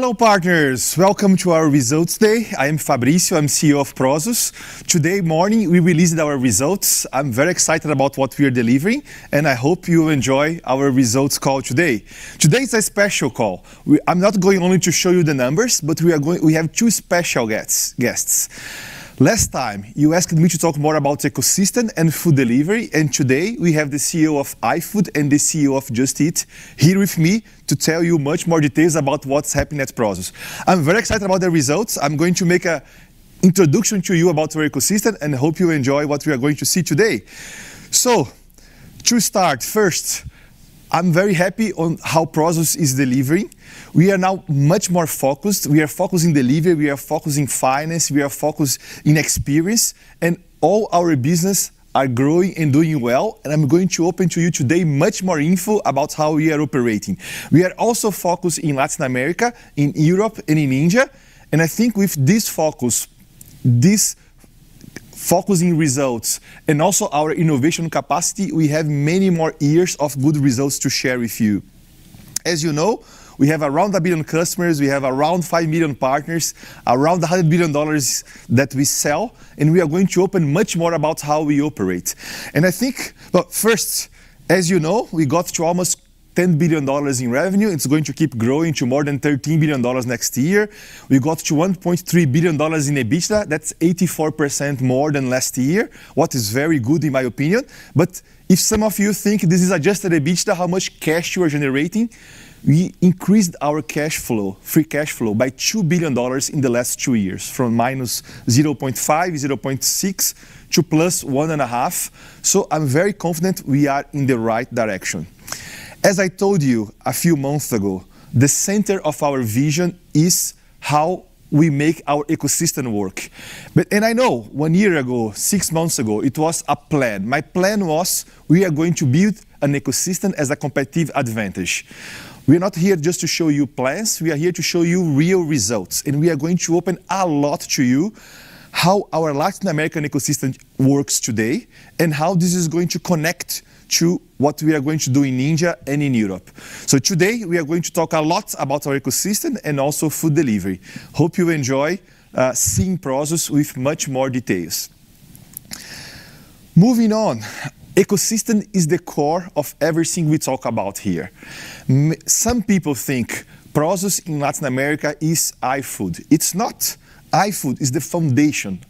Hello, partners. Welcome to our results day. I'm Fabricio, I'm CEO of Prosus. Today morning, we released our results. I'm very excited about what we are delivering, and I hope you enjoy our results call today. Today is a special call. I'm not going only to show you the numbers, but we have two special guests. Last time, you asked me to talk more about ecosystem and food delivery, and today we have the CEO of iFood and the CEO of Just Eat here with me to tell you much more details about what's happening at Prosus. I'm very excited about the results. I'm going to make an introduction to you about our ecosystem, and hope you enjoy what we are going to see today. To start, first, I'm very happy on how Prosus is delivering. We are now much more focused. We are focused in delivery, we are focused in finance, we are focused in experience, and all our business are growing and doing well, and I'm going to open to you today much more info about how we are operating. We are also focused in Latin America, in Europe, and in India. I think with this focus, this focus in results and also our innovation capacity, we have many more years of good results to share with you. As you know, we have around a billion customers, we have around five million partners, around EUR 100 billion that we sell, and we are going to open much more about how we operate. First, as you know, we got to almost EUR 10 billion in revenue. It's going to keep growing to more than EUR 13 billion next year. We got to EUR 1.3 billion in EBITDA. That's 84% more than last year, what is very good in my opinion. If some of you think this is adjusted EBITDA, how much cash you are generating, we increased our cash flow, free cash flow, by EUR 2 billion in the last two years, from -0.5, 0.6, to +1.5. I'm very confident we are in the right direction. As I told you a few months ago, the center of our vision is how we make our ecosystem work. I know one year ago, six months ago, it was a plan. My plan was we are going to build an ecosystem as a competitive advantage. We are not here just to show you plans. We are here to show you real results, and we are going to open a lot to you how our Latin American ecosystem works today, and how this is going to connect to what we are going to do in India and in Europe. Today, we are going to talk a lot about our ecosystem and also food delivery. Hope you enjoy seeing Prosus with much more details. Moving on, ecosystem is the core of everything we talk about here. Some people think Prosus in Latin America is iFood. It's not. iFood is the foundation.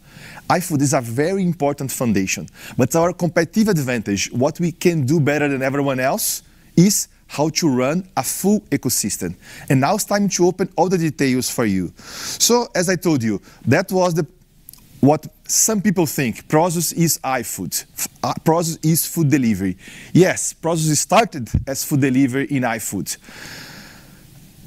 iFood is a very important foundation. Our competitive advantage, what we can do better than everyone else, is how to run a full ecosystem. Now it's time to open all the details for you. As I told you, that was what some people think, Prosus is iFood. Prosus is food delivery. Yes, Prosus started as food delivery in iFood.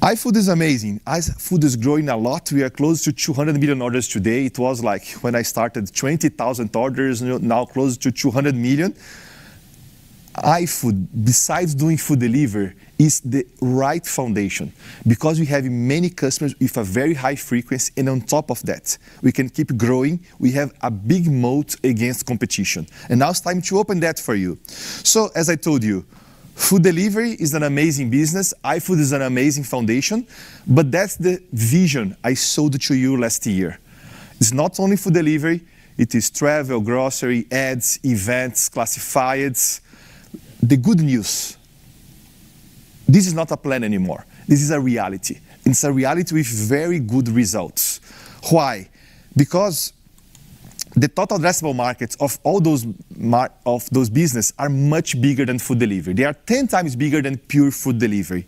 iFood is amazing. iFood is growing a lot. We are close to 200 million orders today. It was like when I started, 20,000 orders, now close to 200 million. iFood, besides doing food delivery, is the right foundation because we have many customers with a very high frequency, and on top of that, we can keep growing. We have a big moat against competition, and now it's time to open that for you. As I told you, food delivery is an amazing business. iFood is an amazing foundation. That's the vision I sold to you last year. It's not only food delivery, it is travel, grocery, ads, events, classifieds. The good news, this is not a plan anymore. This is a reality, and it's a reality with very good results. Why? The Total Addressable Markets of those business are much bigger than food delivery. They are 10x bigger than pure food delivery.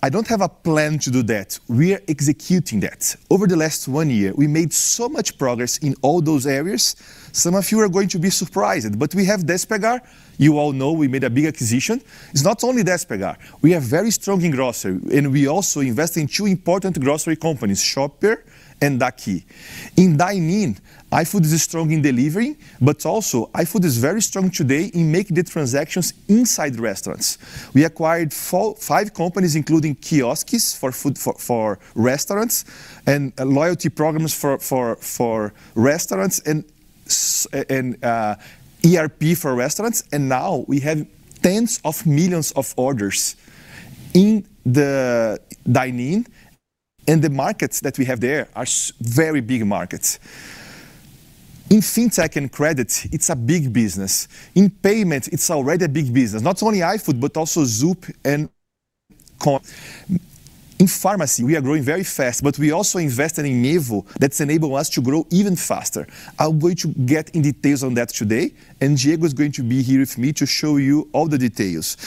I don't have a plan to do that. We are executing that. Over the last one year, we made so much progress in all those areas. Some of you are going to be surprised. We have Despegar. You all know we made a big acquisition. It's not only Despegar. We are very strong in grocery, and we also invest in two important grocery companies, Shopper and Dakid. In dine-in, iFood is strong in delivery, but also iFood is very strong today in making the transactions inside restaurants. We acquired five companies, including kiosks for restaurants, and loyalty programs for restaurants, and ERP for restaurants. Now we have tens of millions of orders in the dine-in, and the markets that we have there are very big markets. In fintech and credit, it's a big business. In payment, it's already a big business, not only iFood, but also Zoop and Koin. In pharmacy, we are growing very fast, but we also invested in Mevo. That's enabled us to grow even faster. I'm going to get in details on that today, and Diego's going to be here with me to show you all the details.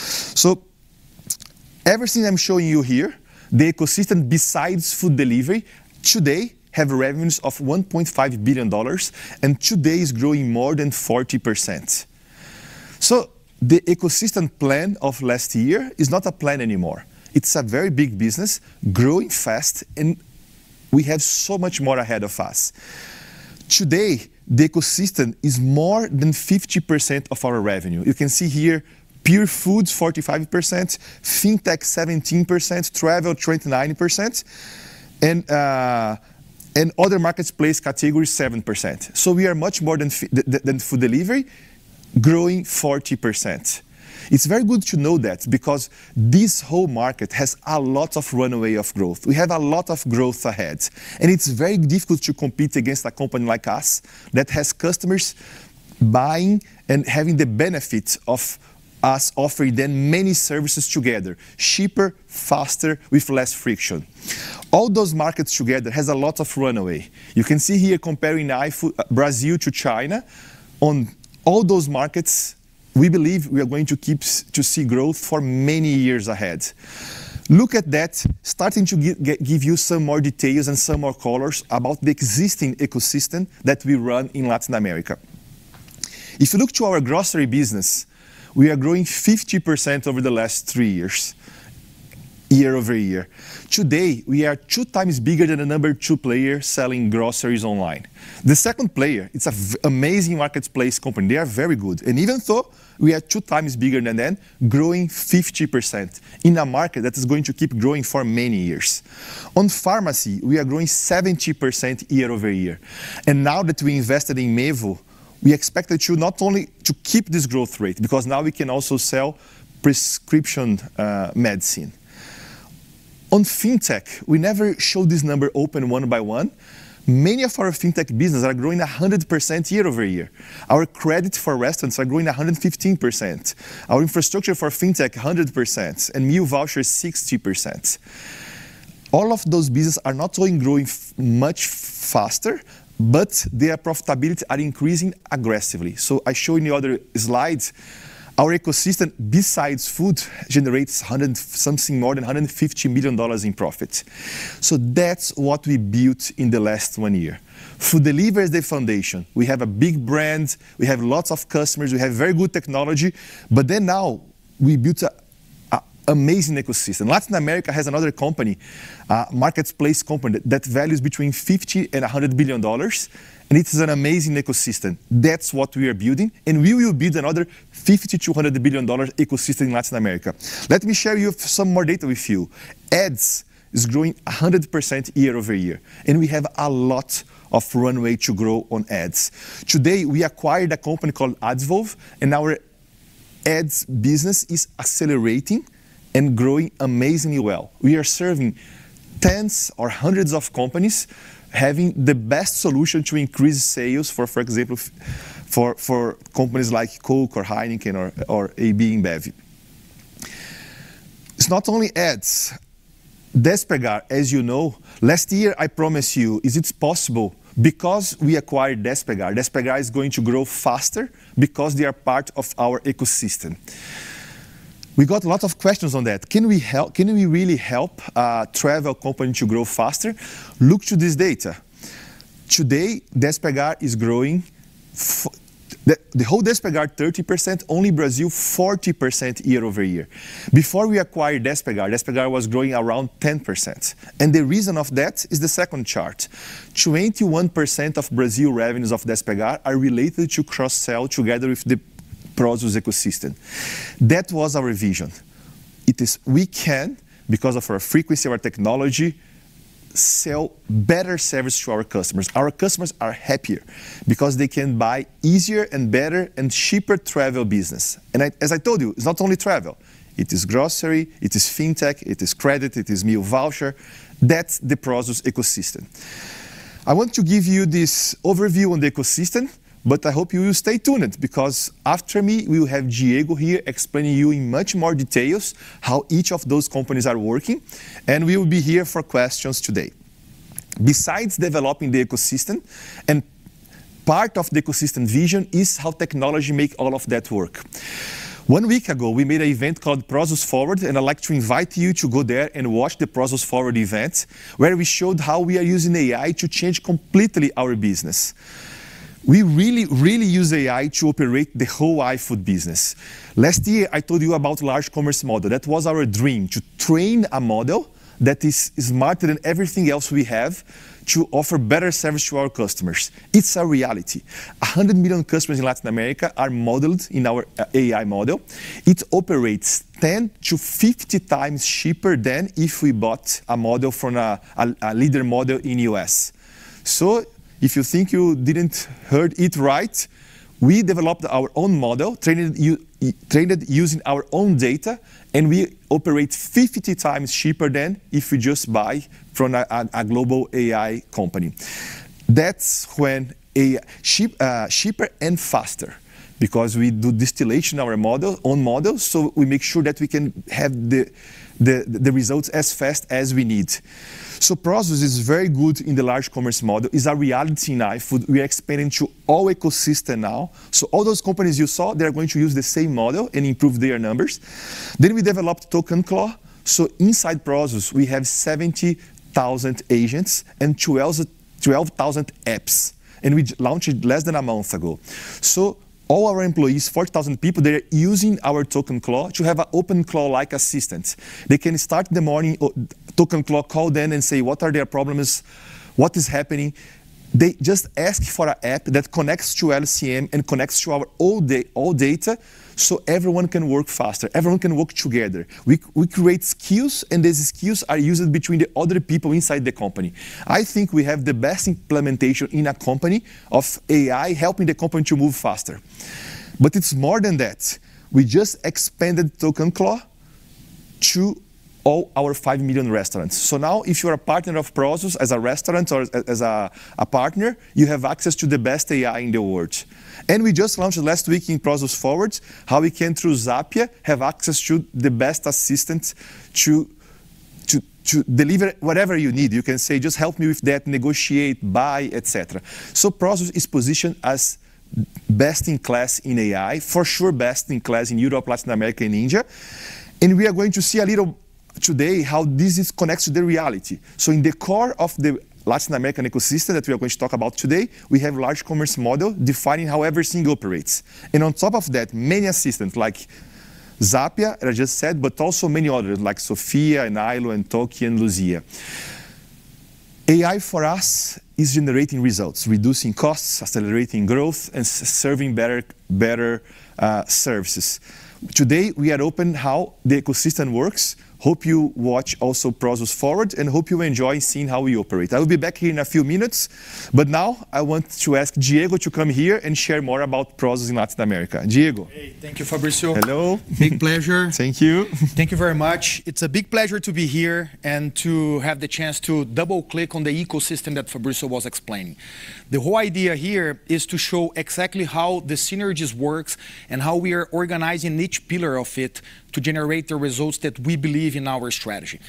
Everything I'm showing you here, the ecosystem besides food delivery today have revenues of $1.5 billion, and today is growing more than 40%. The ecosystem plan of last year is not a plan anymore. It's a very big business, growing fast, and we have so much more ahead of us. Today, the ecosystem is more than 50% of our revenue. You can see here pure foods, 45%, fintech, 17%, travel, 29%, and other marketplace category, 7%. We are much more than food delivery, growing 40%. It's very good to know that because this whole market has a lot of runway of growth. We have a lot of growth ahead, and it's very difficult to compete against a company like us that has customers buying and having the benefit of us offering them many services together, cheaper, faster, with less friction. All those markets together has a lot of runway. You can see here comparing iFood Brazil to China. On all those markets, we believe we are going to keep to see growth for many years ahead. Look at that, starting to give you some more details and some more colors about the existing ecosystem that we run in Latin America. If you look to our grocery business, we are growing 50% over the last three years, year over year. Today, we are two times bigger than the number two player selling groceries online. The second player, it's an amazing marketplace company. They are very good. Even so, we are two times bigger than them, growing 50% in a market that is going to keep growing for many years. On pharmacy, we are growing 70% year over year. Now that we invested in Mevo, we expect that to not only to keep this growth rate, because now we can also sell prescription medicine. On fintech, we never showed this number open one by one. Many of our fintech businesses are growing 100% year over year. Our credit for restaurants are growing 115%. Our infrastructure for fintech, 100%, new voucher, 60%. All of those businesses are not only growing much faster, but their profitability are increasing aggressively. I show in the other slides, our ecosystem, besides food, generates 100-something, more than EUR 150 million in profit. That's what we built in the last one year. Food delivery is the foundation. We have a big brand. We have lots of customers. We have very good technology. Now we built an amazing ecosystem. Latin America has another company, a marketplace company, that values between 50 billion and EUR 100 billion, and it is an amazing ecosystem. That's what we are building, and we will build another EUR 50 billion-EUR 100 billion ecosystem in Latin America. Let me share you some more data with you. Ads is growing 100% year over year, and we have a lot of runway to grow on ads. Today, we acquired a company called Advolve, and our ads business is accelerating and growing amazingly well. We are serving tens or hundreds of companies, having the best solution to increase sales, for example, for companies like Coke or Heineken or AB InBev. It's not only ads. Despegar, as you know, last year, I promised you, is it possible because we acquired Despegar is going to grow faster because they are part of our ecosystem. We got lots of questions on that. Can we really help a travel company to grow faster? Look to this data. Today, Despegar is growing. The whole Despegar, 30%, only Brazil, 40% year over year. Before we acquired Despegar was growing around 10%, and the reason of that is the second chart. 21% of Brazil revenues of Despegar are related to cross-sell together with the Prosus ecosystem. That was our vision. It is we can, because of our frequency, our technology, sell better service to our customers. Our customers are happier because they can buy easier and better and cheaper travel business. As I told you, it's not only travel. It is grocery, it is fintech, it is credit, it is meal voucher. That's the Prosus ecosystem. I want to give you this overview on the ecosystem, but I hope you will stay tuned because after me, we will have Diego here explaining you in much more details how each of those companies are working, and we will be here for questions today. Besides developing the ecosystem, part of the ecosystem vision is how technology make all of that work. One week ago, we made an event called Prosus Forward, and I'd like to invite you to go there and watch the Prosus Forward event, where we showed how we are using AI to change completely our business. We really, really use AI to operate the whole iFood business. Last year, I told you about Large Commerce Model. That was our dream, to train a model that is smarter than everything else we have to offer better service to our customers. It's a reality. 100 million customers in Latin America are modeled in our AI model. It operates 10 to 50 times cheaper than if we bought a model from a leader model in U.S. If you think you didn't heard it right, we developed our own model, trained it using our own data, and we operate 50 times cheaper than if we just buy from a global AI company. That's when cheaper and faster, because we do distillation on models, so we make sure that we can have the results as fast as we need. Prosus is very good in the Large Commerce Model. It's a reality now. iFood, we are expanding to all ecosystem now. All those companies you saw, they're going to use the same model and improve their numbers. We developed ToqanClaw. Inside Prosus, we have 70,000 agents and 12,000 apps, and we launched it less than a month ago. All our employees, 4,000 people, they're using our ToqanClaw to have an OpenClaw-like assistant. They can start the morning, ToqanClaw call them and say, what are their problems? What is happening? They just ask for an app that connects to LCM and connects to our all data, so everyone can work faster, everyone can work together. We create SKUs, and these SKUs are used between the other people inside the company. I think we have the best implementation in a company of AI helping the company to move faster. It's more than that. We just expanded ToqanClaw to all our 5 million restaurants. Now, if you're a partner of Prosus as a restaurant or as a partner, you have access to the best AI in the world. We just launched last week in Prosus Forward, how we can, through Zapia, have access to the best assistants to deliver whatever you need. You can say, "Just help me with that, negotiate, buy," et cetera. Prosus is positioned as best in class in AI, for sure best in class in Europe, Latin America, and India. We are going to see a little today how this connects to the reality. In the core of the Latin American ecosystem that we are going to talk about today, we have Large Commerce Model defining how everything operates. On top of that, many assistants like Zapia, that I just said, but also many others like Sophia and Ailo and Toki and Luzia. AI for us is generating results, reducing costs, accelerating growth, and serving better services. Today, we are open how the ecosystem works. Hope you watch also Prosus Forward, and hope you enjoy seeing how we operate. I will be back here in a few minutes. Now I want to ask Diego to come here and share more about Prosus in Latin America. Diego. Hey. Thank you, Fabricio. Hello. Big pleasure. Thank you. Thank you very much. It's a big pleasure to be here and to have the chance to double-click on the ecosystem that Fabricio was explaining. The whole idea here is to show exactly how the synergies works, how we are organizing each pillar of it to generate the results that we believe in our strategy.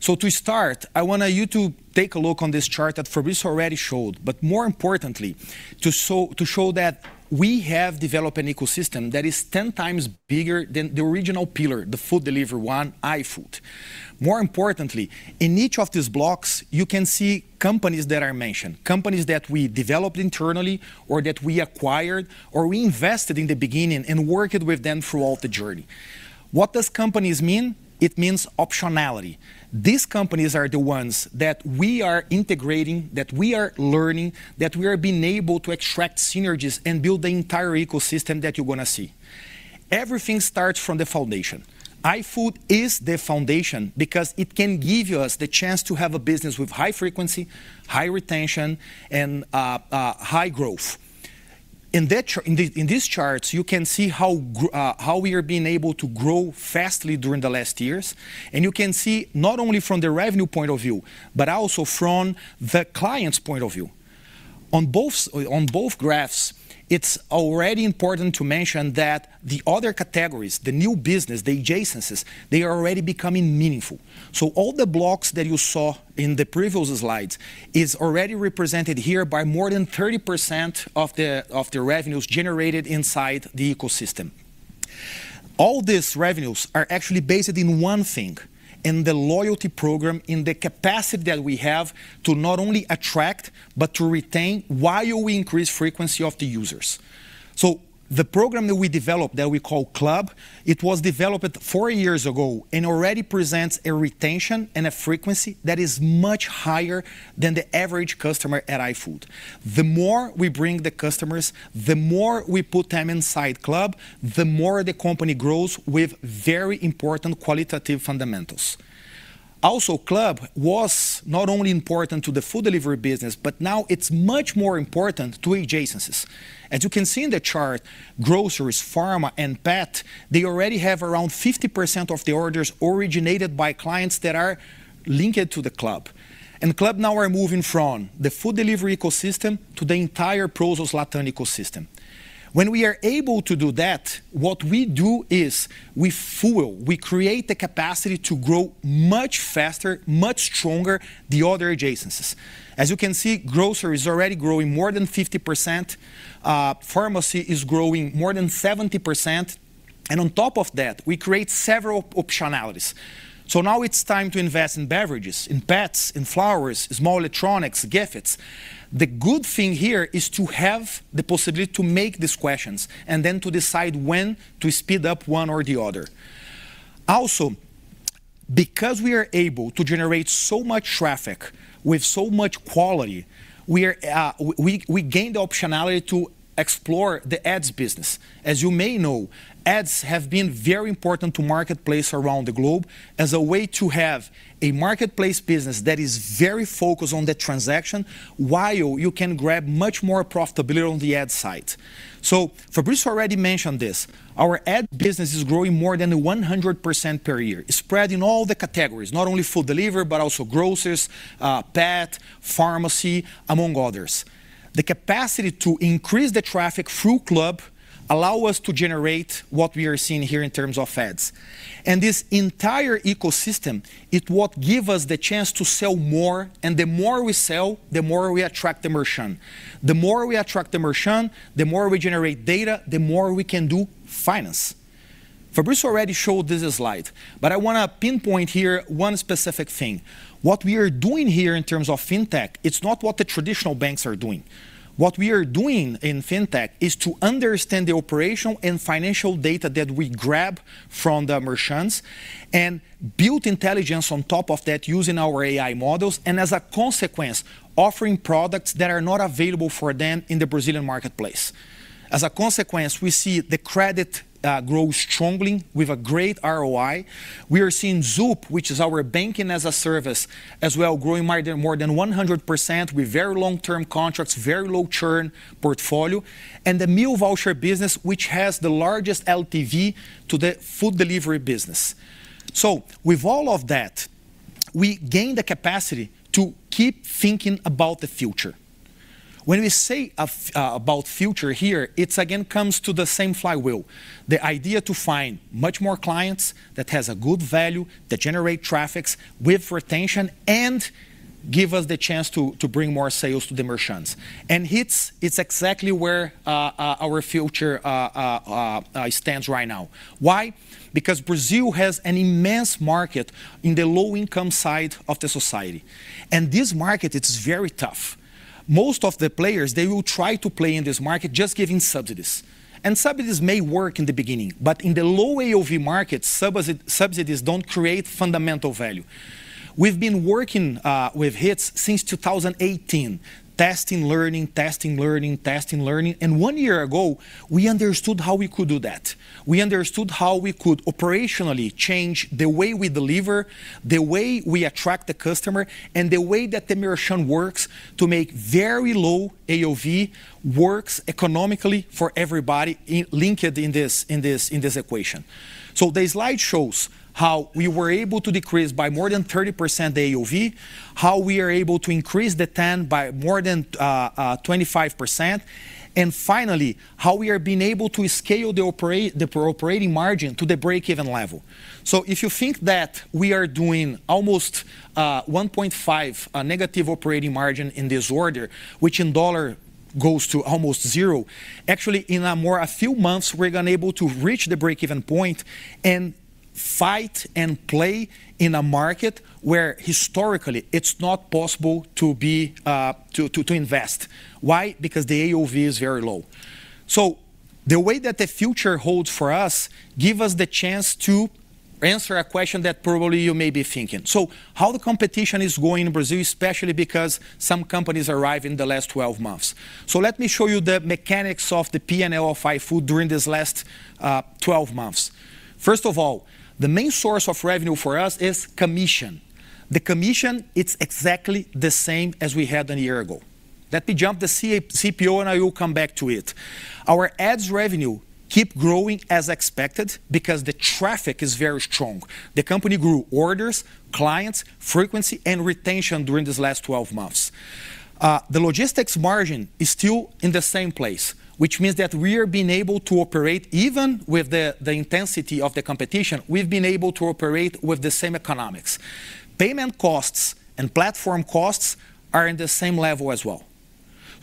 To start, I want you to take a look on this chart that Fabricio already showed, but more importantly, to show that we have developed an ecosystem that is 10x bigger than the original pillar, the food delivery one, iFood. More importantly, in each of these blocks, you can see companies that are mentioned, companies that we developed internally or that we acquired or we invested in the beginning and worked with them throughout the journey. What does companies mean? It means optionality. These companies are the ones that we are integrating, that we are learning, that we are being able to extract synergies and build the entire ecosystem that you're going to see. Everything starts from the foundation. iFood is the foundation because it can give us the chance to have a business with high frequency, high retention, and high growth. In these charts, you can see how we are being able to grow fastly during the last years. You can see not only from the revenue point of view, but also from the client's point of view. On both graphs, it's already important to mention that the other categories, the new business, the adjacencies, they are already becoming meaningful. All the blocks that you saw in the previous slides is already represented here by more than 30% of the revenues generated inside the ecosystem. All these revenues are actually based in one thing, in the loyalty program, in the capacity that we have to not only attract, but to retain while we increase frequency of the users. The program that we developed that we call Club, it was developed four years ago and already presents a retention and a frequency that is much higher than the average customer at iFood. The more we bring the customers, the more we put them inside Club, the more the company grows with very important qualitative fundamentals. Also, Club was not only important to the food delivery business, but now it's much more important to adjacencies. As you can see in the chart, groceries, pharma, and pet, they already have around 50% of the orders originated by clients that are linked to the Club. Club now are moving from the food delivery ecosystem to the entire Prosus Latin ecosystem. When we are able to do that, what we do is we fuel, we create the capacity to grow much faster, much stronger, the other adjacencies. As you can see, grocery is already growing more than 50%, pharmacy is growing more than 70%, and on top of that, we create several optionalities. Now it's time to invest in beverages, in pets, in flowers, small electronics, gifts. The good thing here is to have the possibility to make these questions, then to decide when to speed up one or the other. Also, because we are able to generate so much traffic with so much quality, we gained the optionality to explore the ads business. As you may know, ads have been very important to marketplace around the globe as a way to have a marketplace business that is very focused on the transaction while you can grab much more profitability on the ad side. Fabricio already mentioned this. Our ad business is growing more than 100% per year. It's spread in all the categories, not only food delivery, but also groceries, pet, pharmacy, among others. The capacity to increase the traffic through Club allow us to generate what we are seeing here in terms of ads. This entire ecosystem is what give us the chance to sell more, and the more we sell, the more we attract the merchant. The more we attract the merchant, the more we generate data, the more we can do finance. Fabricio already showed this slide, but I want to pinpoint here one specific thing. What we are doing here in terms of fintech, it's not what the traditional banks are doing. What we are doing in fintech is to understand the operational and financial data that we grab from the merchants, and build intelligence on top of that using our AI models, and as a consequence, offering products that are not available for them in the Brazilian marketplace. As a consequence, we see the credit grow strongly with a great ROI. We are seeing Zoop, which is our banking as a service, as well, growing more than 100% with very long-term contracts, very low churn portfolio, and the meal voucher business, which has the largest LTV to the food delivery business. With all of that, we gain the capacity to keep thinking about the future. When we say about future here, it again comes to the same flywheel. The idea to find much more clients that has a good value, that generate traffics with retention, and give us the chance to bring more sales to the merchants. It's exactly where our future stands right now. Why? Because Brazil has an immense market in the low-income side of the society, and this market, it's very tough. Most of the players, they will try to play in this market just giving subsidies. Subsidies may work in the beginning, but in the low AOV markets, subsidies don't create fundamental value. We've been working with hits since 2018. Testing, learning, testing, learning, testing, learning. One year ago, we understood how we could do that. We understood how we could operationally change the way we deliver, the way we attract the customer, and the way that the merchant works to make very low AOV works economically for everybody linked in this equation. The slide shows how we were able to decrease by more than 30% the AOV, how we are able to increase the TAM by more than 25%, and finally, how we are being able to scale the operating margin to the break-even level. If you think that we are doing almost 1.5% negative operating margin in this order, which in dollar goes to almost zero, actually in a few months, we're going to able to reach the break-even point and fight and play in a market where historically it's not possible to invest. Why? Because the AOV is very low. The way that the future holds for us give us the chance to answer a question that probably you may be thinking. How the competition is going in Brazil, especially because some companies arrive in the last 12 months. Let me show you the mechanics of the P&L of iFood during this last 12 months. First of all, the main source of revenue for us is commission. The commission, it is exactly the same as we had one year ago. Let me jump the CPO and I will come back to it. Our ads revenue keep growing as expected because the traffic is very strong. The company grew orders, clients, frequency, and retention during these last 12 months. The logistics margin is still in the same place, which means that we are being able to operate even with the intensity of the competition, we have been able to operate with the same economics. Payment costs and platform costs are in the same level as well.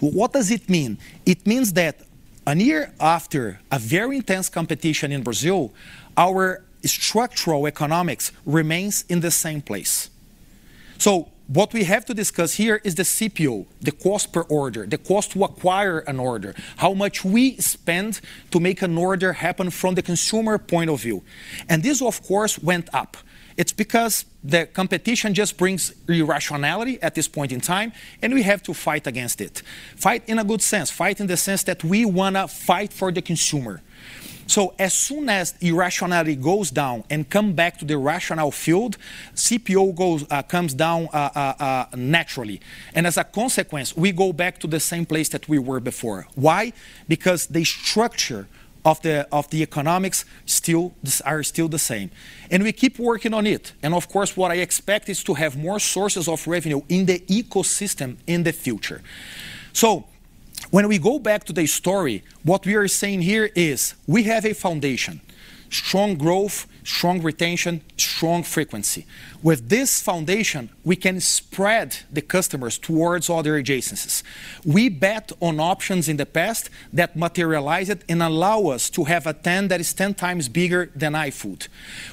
What does it mean? It means that an year after a very intense competition in Brazil, our structural economics remains in the same place. What we have to discuss here is the CPO, the cost per order, the cost to acquire an order, how much we spend to make an order happen from the consumer point of view. This, of course, went up. It is because the competition just brings irrationality at this point in time, and we have to fight against it. Fight in a good sense, fight in the sense that we want to fight for the consumer. As soon as irrationality goes down and come back to the rational field, CPO comes down naturally, and as a consequence, we go back to the same place that we were before. Why? Because the structure of the economics are still the same. We keep working on it. Of course, what I expect is to have more sources of revenue in the ecosystem in the future. When we go back to the story, what we are saying here is we have a foundation. Strong growth, strong retention, strong frequency. With this foundation, we can spread the customers towards other adjacencies. We bet on options in the past that materialize it and allow us to have a TAM that is 10x bigger than iFood.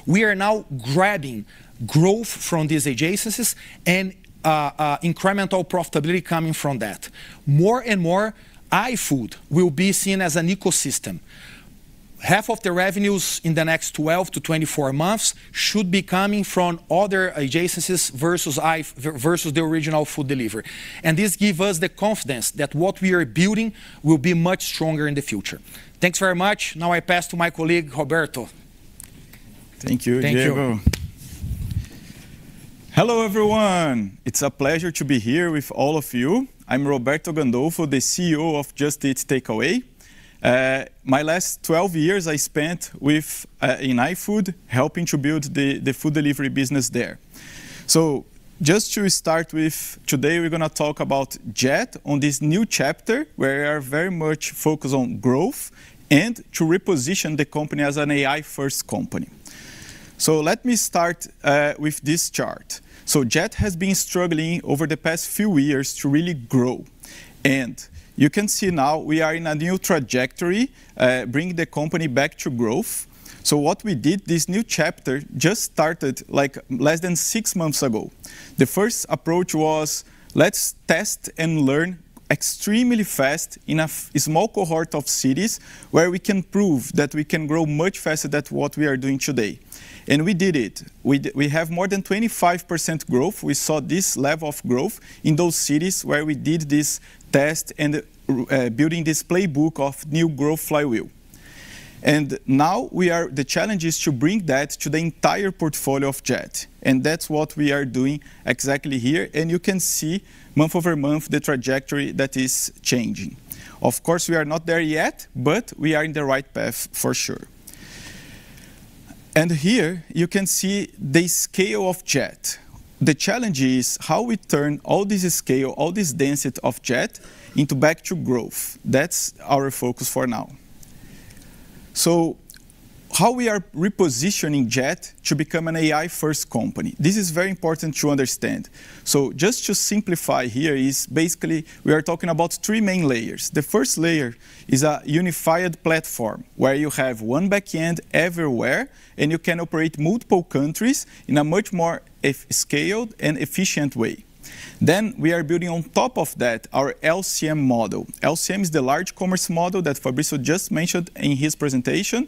We are now grabbing growth from these adjacencies and incremental profitability coming from that. More and more, iFood will be seen as an ecosystem. Half of the revenues in the next 12-24 months should be coming from other adjacencies versus the original food delivery. This give us the confidence that what we are building will be much stronger in the future. Thanks very much. Now I pass to my colleague, Roberto. Thank you, Diego. Thank you. Hello, everyone. It's a pleasure to be here with all of you. I'm Roberto Gandolfo, the CEO of Just Eat Takeaway.com. My last 12 years I spent in iFood helping to build the food delivery business there. Just to start with today, we're going to talk about JET on this new chapter, where we are very much focused on growth and to reposition the company as an AI-first company. Let me start with this chart. JET has been struggling over the past few years to really grow, and you can see now we are in a new trajectory, bringing the company back to growth. What we did, this new chapter just started less than six months ago. The first approach was let's test and learn extremely fast in a small cohort of cities where we can prove that we can grow much faster than what we are doing today. We did it. We have more than 25% growth. We saw this level of growth in those cities where we did this test and building this playbook of new growth flywheel. Now the challenge is to bring that to the entire portfolio of JET, and that's what we are doing exactly here. You can see month-over-month the trajectory that is changing. Of course, we are not there yet, but we are in the right path for sure. Here you can see the scale of JET. The challenge is how we turn all this scale, all this density of JET into back to growth. That's our focus for now. How we are repositioning JET to become an AI-first company. This is very important to understand. Just to simplify here is basically we are talking about three main layers. The first layer is a unified platform where you have one back end everywhere, and you can operate multiple countries in a much more scaled and efficient way. We are building on top of that our LCM model. LCM is the Large Commerce Model that Fabricio just mentioned in his presentation.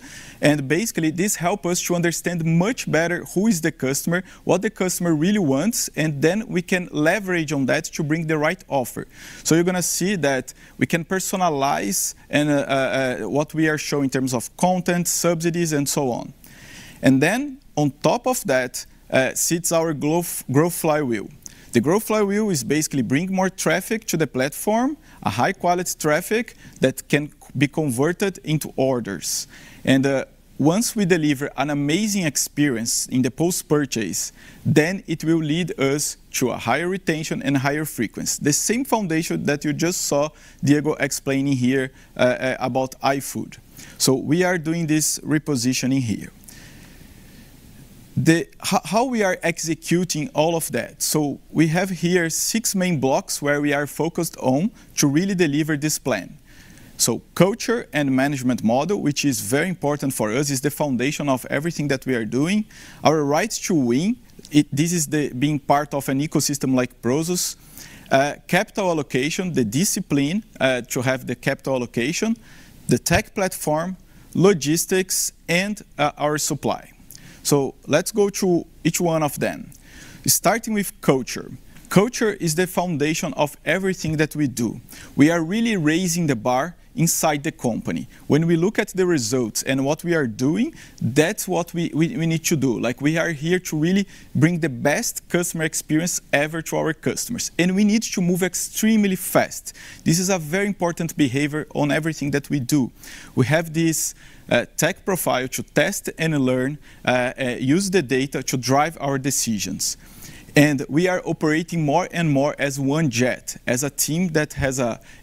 Basically, this help us to understand much better who is the customer, what the customer really wants, and then we can leverage on that to bring the right offer. You're going to see that we can personalize what we are showing in terms of content, subsidies, and so on. On top of that, sits our growth flywheel. The growth flywheel is basically bring more traffic to the platform, a high-quality traffic that can be converted into orders. Once we deliver an amazing experience in the post-purchase, then it will lead us to a higher retention and higher frequency. The same foundation that you just saw Diego explaining here about iFood. We are doing this repositioning here. How we are executing all of that? We have here six main blocks where we are focused on to really deliver this plan. Culture and management model, which is very important for us, is the foundation of everything that we are doing. Our right to win, this is being part of an ecosystem like Prosus. Capital allocation, the discipline to have the capital allocation. The tech platform, logistics, and our supply. Let's go through each one of them, starting with culture. Culture is the foundation of everything that we do. We are really raising the bar inside the company. When we look at the results and what we are doing, that's what we need to do. We are here to really bring the best customer experience ever to our customers, and we need to move extremely fast. This is a very important behavior on everything that we do. We have this tech profile to test and learn, use the data to drive our decisions. We are operating more and more as one JET, as a team that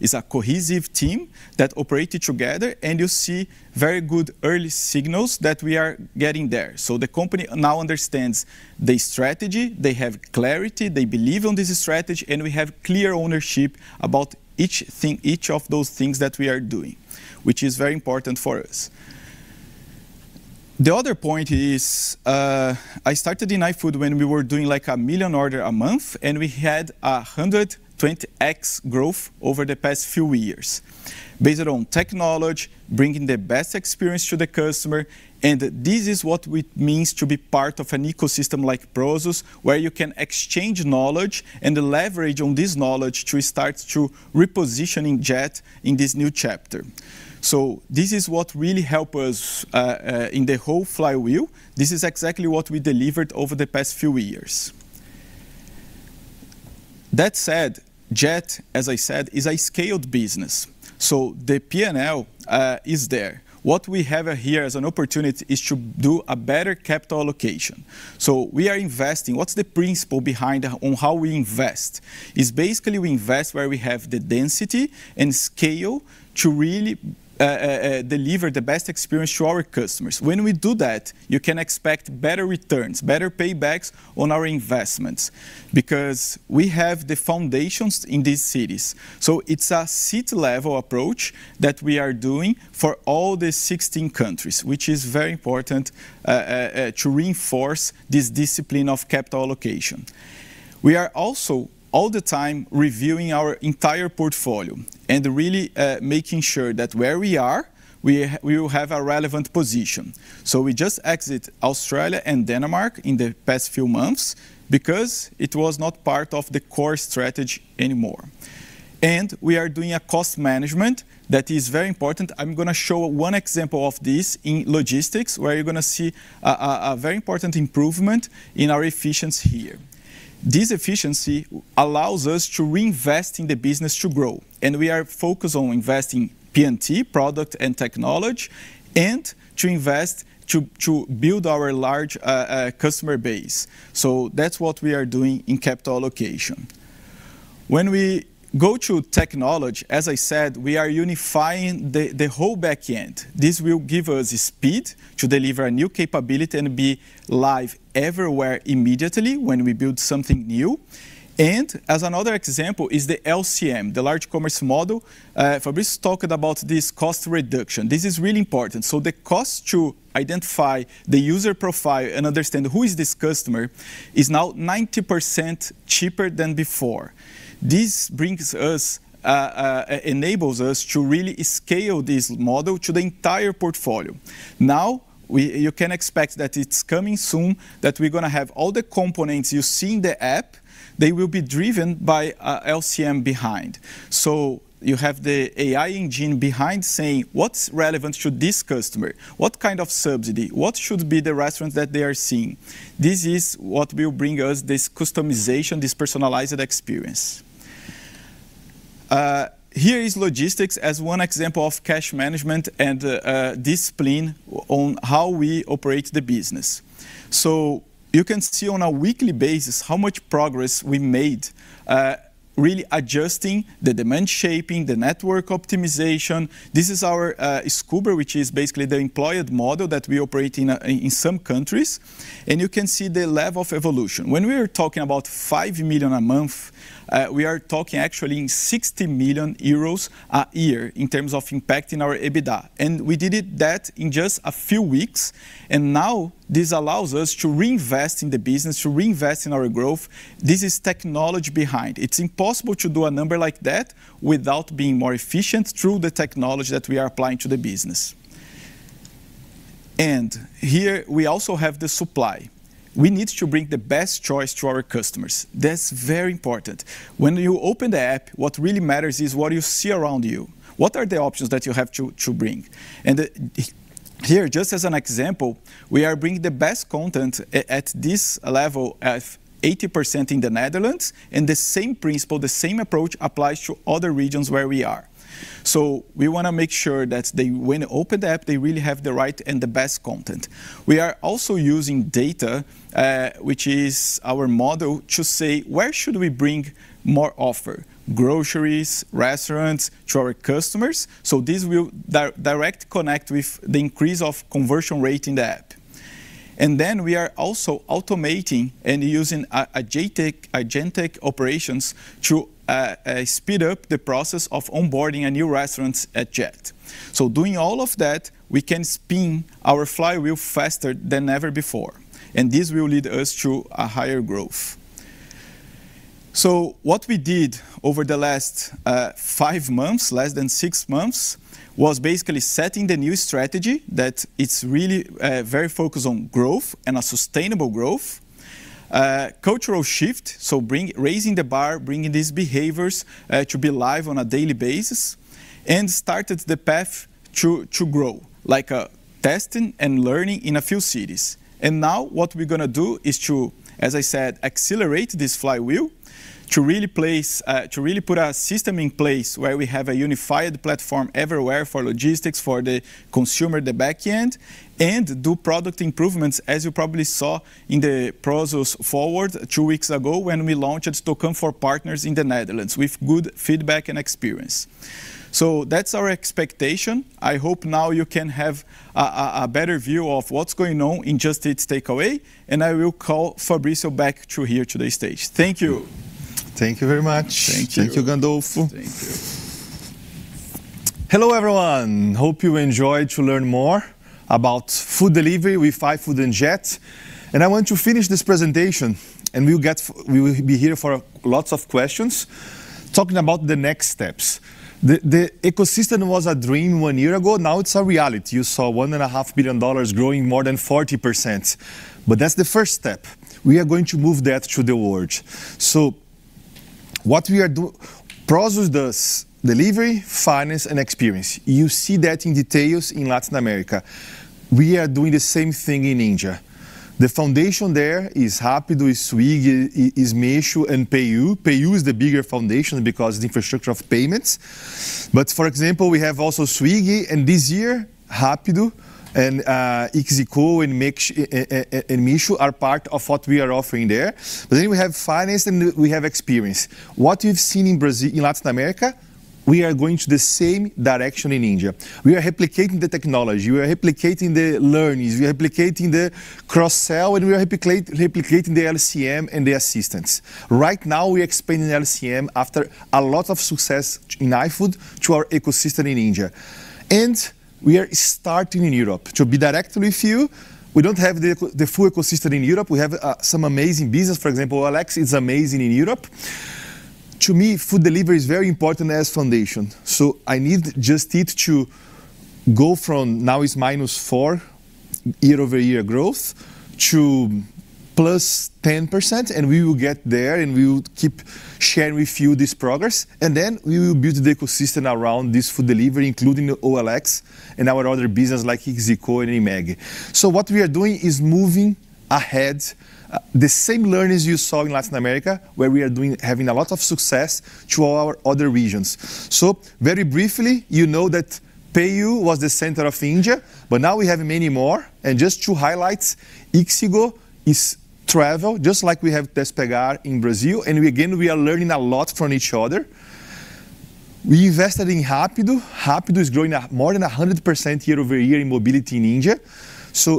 is a cohesive team that operated together, and you see very good early signals that we are getting there. The company now understands the strategy. They have clarity. They believe in this strategy, and we have clear ownership about each of those things that we are doing, which is very important for us. The other point is, I started in iFood when we were doing 1 million order a month, and we had 120x growth over the past few years based on technology, bringing the best experience to the customer, and this is what it means to be part of an ecosystem like Prosus, where you can exchange knowledge and leverage on this knowledge to start to repositioning JET in this new chapter. This is what really help us in the whole flywheel. This is exactly what we delivered over the past few years. That said, JET, as I said, is a scaled business. The P&L is there. What we have here as an opportunity is to do a better capital allocation. We are investing. What is the principle behind on how we invest? We basically invest where we have the density and scale to really deliver the best experience to our customers. When we do that, you can expect better returns, better paybacks on our investments because we have the foundations in these cities. It is a city-level approach that we are doing for all the 16 countries, which is very important to reinforce this discipline of capital allocation. We are also all the time reviewing our entire portfolio and really making sure that where we are, we will have a relevant position. We just exit Australia and Denmark in the past few months because it was not part of the core strategy anymore. We are doing a cost management that is very important. I am going to show one example of this in logistics, where you are going to see a very important improvement in our efficiency here. This efficiency allows us to reinvest in the business to grow, and we are focused on investing P&T, product and technology, and to invest to build our large customer base. That is what we are doing in capital allocation. When we go to technology, as I said, we are unifying the whole back end. This will give us speed to deliver a new capability and be live everywhere immediately when we build something new. As another example is the LCM, the Large Commerce Model. Fabricio talked about this cost reduction. This is really important. The cost to identify the user profile and understand who is this customer is now 90% cheaper than before. This enables us to really scale this model to the entire portfolio. Now you can expect that it is coming soon, that we are going to have all the components you see in the app, they will be driven by LCM behind. You have the AI engine behind saying, what is relevant to this customer? What kind of subsidy? What should be the restaurant that they are seeing? This is what will bring us this customization, this personalized experience. Here is logistics as one example of cash management and discipline on how we operate the business. You can see on a weekly basis how much progress we made really adjusting the demand shaping, the network optimization. This is our Scuba, which is basically the employed model that we operate in some countries. You can see the level of evolution. When we are talking about 5 million a month, we are talking actually 60 million euros a year in terms of impact in our EBITDA. We did that in just a few weeks. Now this allows us to reinvest in the business, to reinvest in our growth. This is technology behind. It is impossible to do a number like that without being more efficient through the technology that we are applying to the business. Here we also have the supply. We need to bring the best choice to our customers. That is very important. When you open the app, what really matters is what you see around you. What are the options that you have to bring? Here, just as an example, we are bringing the best content at this level at 80% in the Netherlands, the same principle, the same approach applies to other regions where we are. We want to make sure that when they open the app, they really have the right and the best content. We are also using data which is our model to say, where should we bring more offer, groceries, restaurants to our customers? This will direct connect with the increase of conversion rate in the app. We are also automating and using agentic operations to speed up the process of onboarding a new restaurant at JET. Doing all of that, we can spin our flywheel faster than ever before, and this will lead us to a higher growth. What we did over the last five months, less than six months, was basically setting the new strategy that it's really very focused on growth and a sustainable growth. Cultural shift, raising the bar, bringing these behaviors to be live on a daily basis, and started the path to grow, like testing and learning in a few cities. Now what we're going to do is to, as I said, accelerate this flywheel to really put a system in place where we have a unified platform everywhere for logistics, for the consumer, the back end, and do product improvements, as you probably saw in the Prosus Forward two weeks ago when we launched Toko for partners in the Netherlands with good feedback and experience. That's our expectation. I hope now you can have a better view of what's going on in Just Eat Takeaway.com. I will call Fabricio back to here to the stage. Thank you. Thank you very much. Thank you. Thank you, Gandolfo. Thank you. Hello, everyone. Hope you enjoyed to learn more about food delivery with iFood and JET. I want to finish this presentation, and we will be here for lots of questions, talking about the next steps. The ecosystem was a dream one year ago. Now it's a reality. You saw EUR 1.5 billion growing more than 40%. That's the first step. We are going to move that to the world. Prosus does delivery, finance, and experience. You see that in details in Latin America. We are doing the same thing in India. The foundation there is Rapido, is Swiggy, is Meesho, and PayU. PayU is the bigger foundation because the infrastructure of payments. For example, we have also Swiggy, and this year, Rapido and Ixigo and Meesho are part of what we are offering there. Then we have finance and we have experience. What you've seen in Latin America, we are going to the same direction in India. We are replicating the technology, we are replicating the learnings, we are replicating the cross-sell, and we are replicating the LCM and the assistance. Right now, we're expanding LCM after a lot of success in iFood to our ecosystem in India. We are starting in Europe. To be direct with you, we don't have the full ecosystem in Europe. We have some amazing business. For example, OLX is amazing in Europe. To me, food delivery is very important as foundation. I need Just Eat to go from now is minus four year-over-year growth to plus 10%, and we will get there, and we will keep sharing with you this progress. Then we will build the ecosystem around this food delivery, including OLX and our other business like ixigo and eMAG. What we are doing is moving ahead the same learnings you saw in Latin America, where we are having a lot of success to our other regions. Very briefly, you know that PayU was the center of India, but now we have many more. Just to highlight, ixigo is travel, just like we have Despegar in Brazil, and again, we are learning a lot from each other. We invested in Rapido. Rapido is growing at more than 100% year-over-year in mobility in India.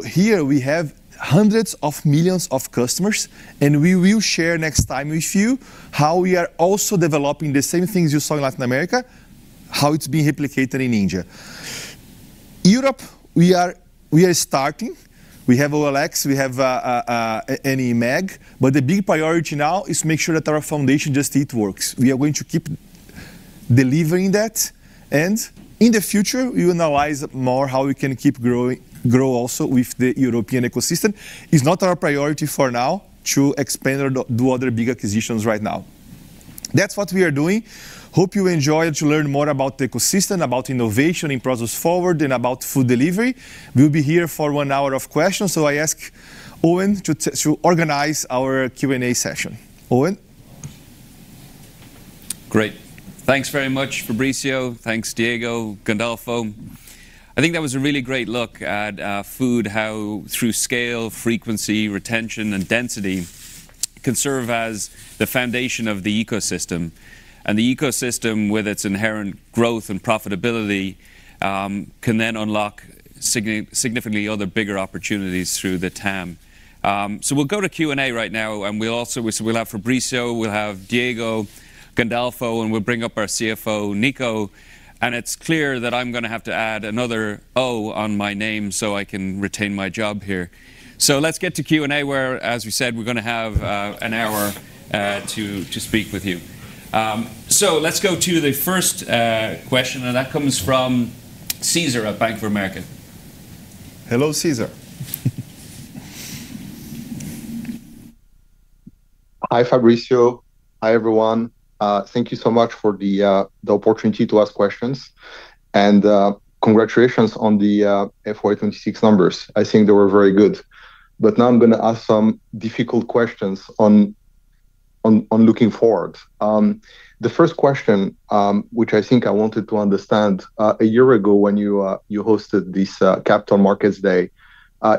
Here we have hundreds of millions of customers, and we will share next time with you how we are also developing the same things you saw in Latin America, how it's being replicated in India. Europe, we are starting. We have OLX, we have eMAG, but the big priority now is to make sure that our foundation Just Eat works. We are going to keep delivering that, in the future, we analyze more how we can keep grow also with the European ecosystem. It's not our priority for now to expand or do other big acquisitions right now. That's what we are doing. Hope you enjoyed to learn more about the ecosystem, about innovation in Prosus Forward, and about food delivery. We'll be here for one hour of questions, I ask Owen to organize our Q&A session. Owen? Great. Thanks very much, Fabricio. Thanks, Diego, Gandolfo. I think that was a really great look at food, how through scale, frequency, retention, and density, can serve as the foundation of the ecosystem, and the ecosystem with its inherent growth and profitability can then unlock significantly other bigger opportunities through the TAM. We'll go to Q&A right now, and we'll have Fabricio, we'll have Diego, Gandolfo, and we'll bring up our CFO, Nico. It's clear that I'm going to have to add another O on my name so I can retain my job here. Let's get to Q&A, where, as we said, we're going to have an hour to speak with you. Let's go to the first question, and that comes from Cesar at Bank of America. Hello, Cesar. Hi, Fabricio. Hi, everyone. Thank you so much for the opportunity to ask questions, congratulations on the FY 2026 numbers. I think they were very good. Now I'm going to ask some difficult questions on looking forward. The first question, which I think I wanted to understand, a year ago, when you hosted this Capital Markets Day,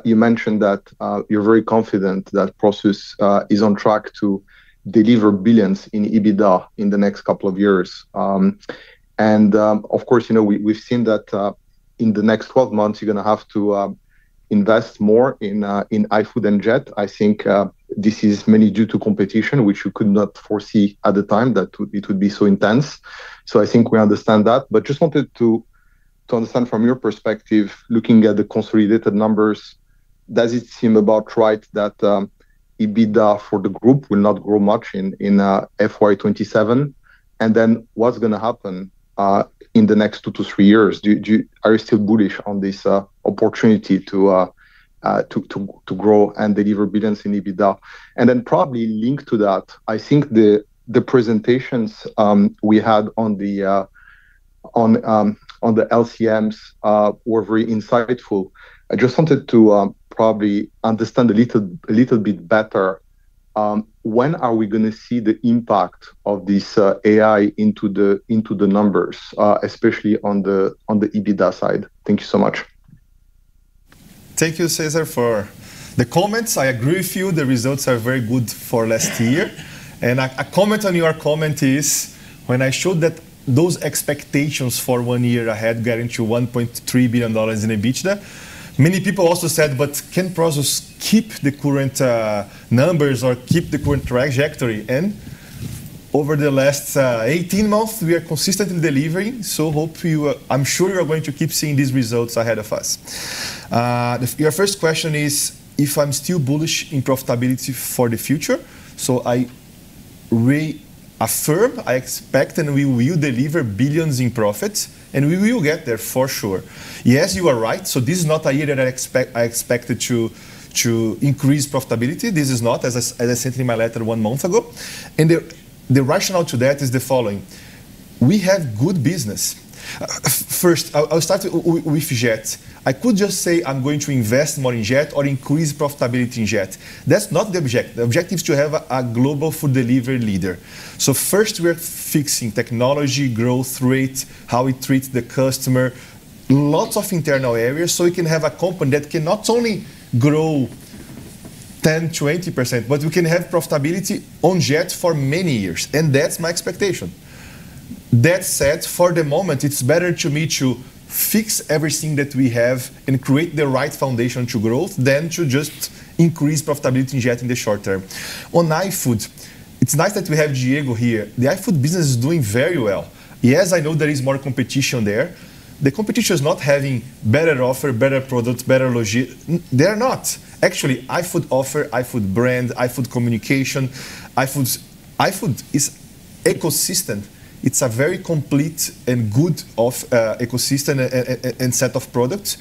you mentioned that you're very confident that Prosus is on track to deliver billions in EBITDA in the next couple of years. Of course, we've seen that in the next 12 months, you're going to have to invest more in iFood and JET. I think this is mainly due to competition, which you could not foresee at the time that it would be so intense. I think we understand that, just wanted to understand from your perspective, looking at the consolidated numbers, does it seem about right that EBITDA for the group will not grow much in FY 2027? Then what's going to happen in the next two to three years? Are you still bullish on this opportunity to grow and deliver billions in EBITDA? Then probably linked to that, I think the presentations we had on the LCMs were very insightful. I just wanted to probably understand a little bit better, when are we going to see the impact of this AI into the numbers, especially on the EBITDA side? Thank you so much. Thank you, Cesar, for the comments. I agree with you, the results are very good for last year. A comment on your comment is, when I showed that those expectations for one year ahead guarantee EUR 1.3 billion in EBITDA, many people also said, "Can Prosus keep the current numbers or keep the current trajectory in?" Over the last 18 months, we are consistently delivering, I'm sure you're going to keep seeing these results ahead of us. Your first question is if I'm still bullish in profitability for the future. I reaffirm, I expect, we will deliver billions in profits, and we will get there for sure. Yes, you are right. This is not a year that I expected to increase profitability. This is not, as I said in my letter one month ago. The rationale to that is the following. We have good business. First, I'll start with JET. I could just say I'm going to invest more in JET or increase profitability in JET. That's not the objective. The objective is to have a global food delivery leader. First, we're fixing technology, growth rate, how we treat the customer, lots of internal areas so we can have a company that can not only grow 10%, 20%, but we can have profitability on JET for many years. That's my expectation. That said, for the moment, it's better to me to fix everything that we have and create the right foundation to growth than to just increase profitability in JET in the short term. On iFood, it's nice that we have Diego here. The iFood business is doing very well. Yes, I know there is more competition there. The competition is not having better offer, better product, better. They're not. Actually, iFood offer, iFood brand, iFood communication. iFood is ecosystem. It's a very complete and good ecosystem and set of products.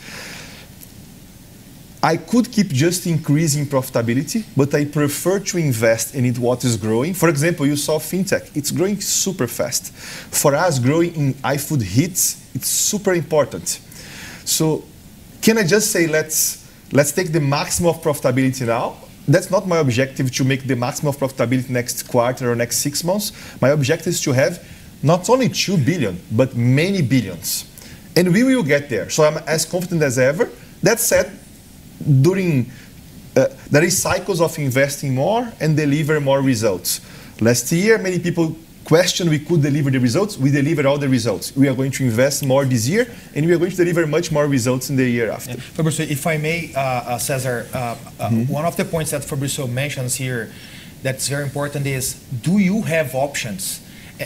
I could keep just increasing profitability, but I prefer to invest in it what is growing. For example, you saw fintech. It's growing super fast. For us, growing in iFood Hits, it's super important. Can I just say let's take the maximum of profitability now? That's not my objective to make the maximum of profitability next quarter or next six months. My objective is to have not only two billion, but many billions. We will get there. I'm as confident as ever. That said, there is cycles of investing more and deliver more results. Last year, many people questioned, we could deliver the results, we delivered all the results. We are going to invest more this year, and we are going to deliver much more results in the year after. Fabricio, if I may, Cesar, one of the points that Fabricio mentions here that's very important is, do you have options?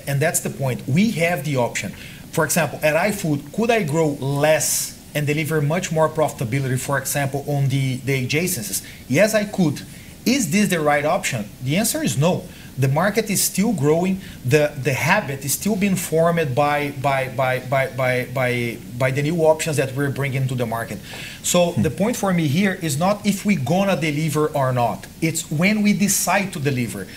That's the point. We have the option. For example, at iFood, could I grow less and deliver much more profitability, for example, on the adjacencies? Yes, I could. Is this the right option? The answer is no. The market is still growing. The habit is still being formed by the new options that we're bringing to the market. The point for me here is not if we're going to deliver or not, it's when we decide to deliver.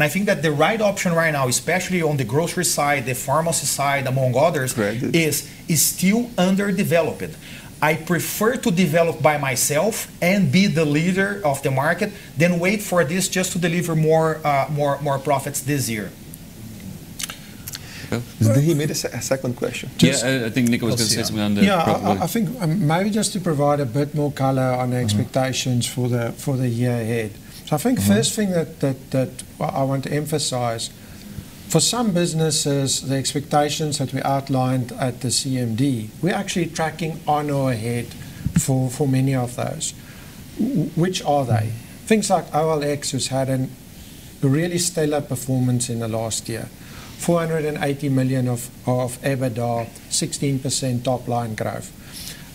I think that the right option right now, especially on the grocery side, the pharmacy side, among others. Correct is still underdeveloped. I prefer to develop by myself and be the leader of the market than wait for this just to deliver more profits this year. Well, did he made a second question? Yeah, I think Nico was going to say something on the profit. Yeah, I think maybe just to provide a bit more color on the expectations for the year ahead. I think first thing that I want to emphasize, for some businesses, the expectations that we outlined at the CMD, we're actually tracking on or ahead for many of those. Which are they? Things like OLX, who's had a really stellar performance in the last year. 480 million of EBITDA, 16% top line growth.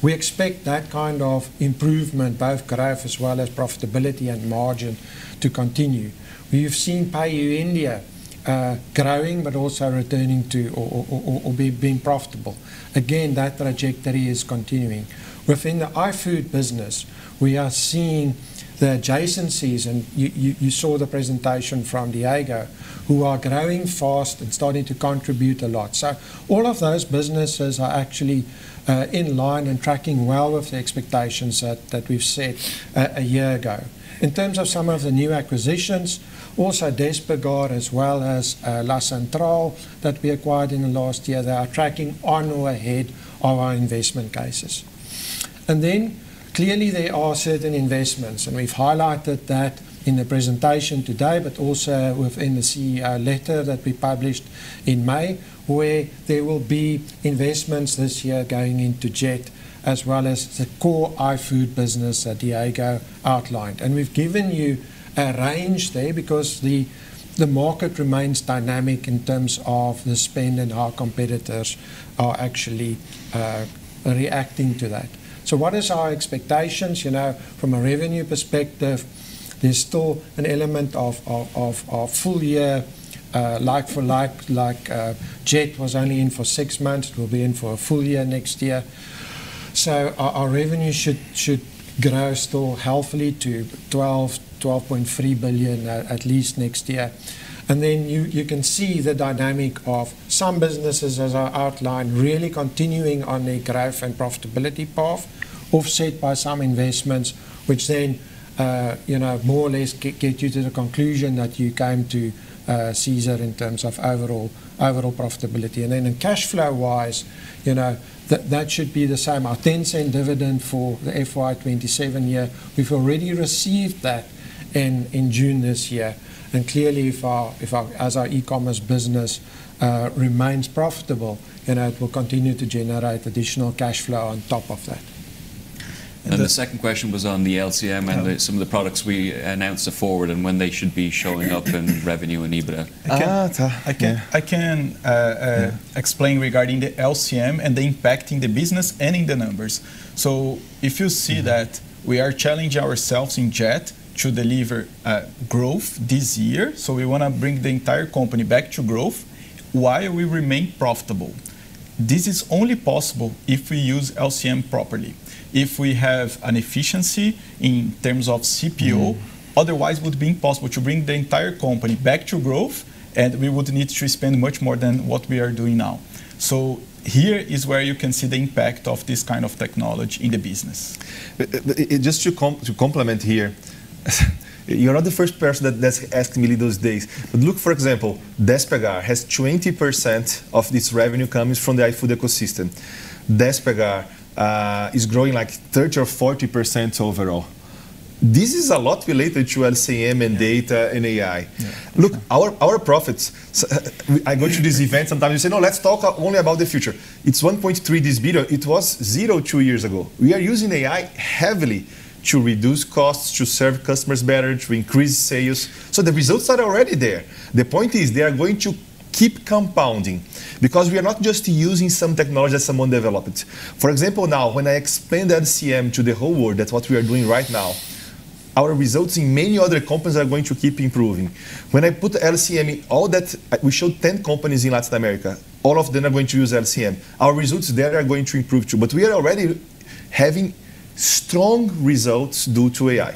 We expect that kind of improvement, both growth as well as profitability and margin to continue. We've seen PayU India growing, but also returning to, or being profitable. Again, that trajectory is continuing. Within the iFood business, we are seeing the adjacencies, and you saw the presentation from Diego, who are growing fast and starting to contribute a lot. All of those businesses are actually in line and tracking well with the expectations that we've set a year ago. In terms of some of the new acquisitions, also Despegar as well as La Centrale that we acquired in the last year, they are tracking on or ahead of our investment cases. Clearly there are certain investments, and we've highlighted that in the presentation today, but also within the CEO letter that we published in May, where there will be investments this year going into JET as well as the core iFood business that Diego outlined. We've given you a range there because the market remains dynamic in terms of the spend and how competitors are actually reacting to that. What is our expectations? From a revenue perspective, there's still an element of our full year like for like. Jet was only in for six months, it will be in for a full year next year. Our revenue should grow still healthily to 12 billion-12.3 billion at least next year. You can see the dynamic of some businesses, as I outlined, really continuing on their growth and profitability path, offset by some investments, which then more or less get you to the conclusion that you came to, Cesar, in terms of overall profitability. In cash flow wise, that should be the same. Our 0.10 dividend for the FY 2027 year, we've already received that in June this year. Clearly as our e-commerce business remains profitable, then it will continue to generate additional cash flow on top of that. The second question was on the LCM and some of the products we announced Prosus Forward and when they should be showing up in revenue and EBITDA. I can explain regarding the LCM and the impact in the business and in the numbers. If you see that we are challenging ourselves in Jet to deliver growth this year, we want to bring the entire company back to growth while we remain profitable. This is only possible if we use LCM properly, if we have an efficiency in terms of CPO. Otherwise, it would be impossible to bring the entire company back to growth, and we would need to spend much more than what we are doing now. Here is where you can see the impact of this kind of technology in the business. Just to complement here, you're not the first person that's asked me those days. Look, for example, Despegar has 20% of this revenue comes from the iFood ecosystem. Despegar is growing like 30% or 40% overall. This is a lot related to LCM and data and AI. Our profits. I go to this event, sometimes they say, "No, let's talk only about the future." It's 1.3 this year. It was EUR zero two years ago. We are using AI heavily to reduce costs, to serve customers better, to increase sales. The results are already there. The point is, they are going to keep compounding, because we are not just using some technology that someone developed. For example, now, when I expand LCM to the whole world, that's what we are doing right now. Our results in many other companies are going to keep improving. When I put LCM in all that, we showed 10 companies in Latin America. All of them are going to use LCM. Our results there are going to improve too. We are already having strong results due to AI.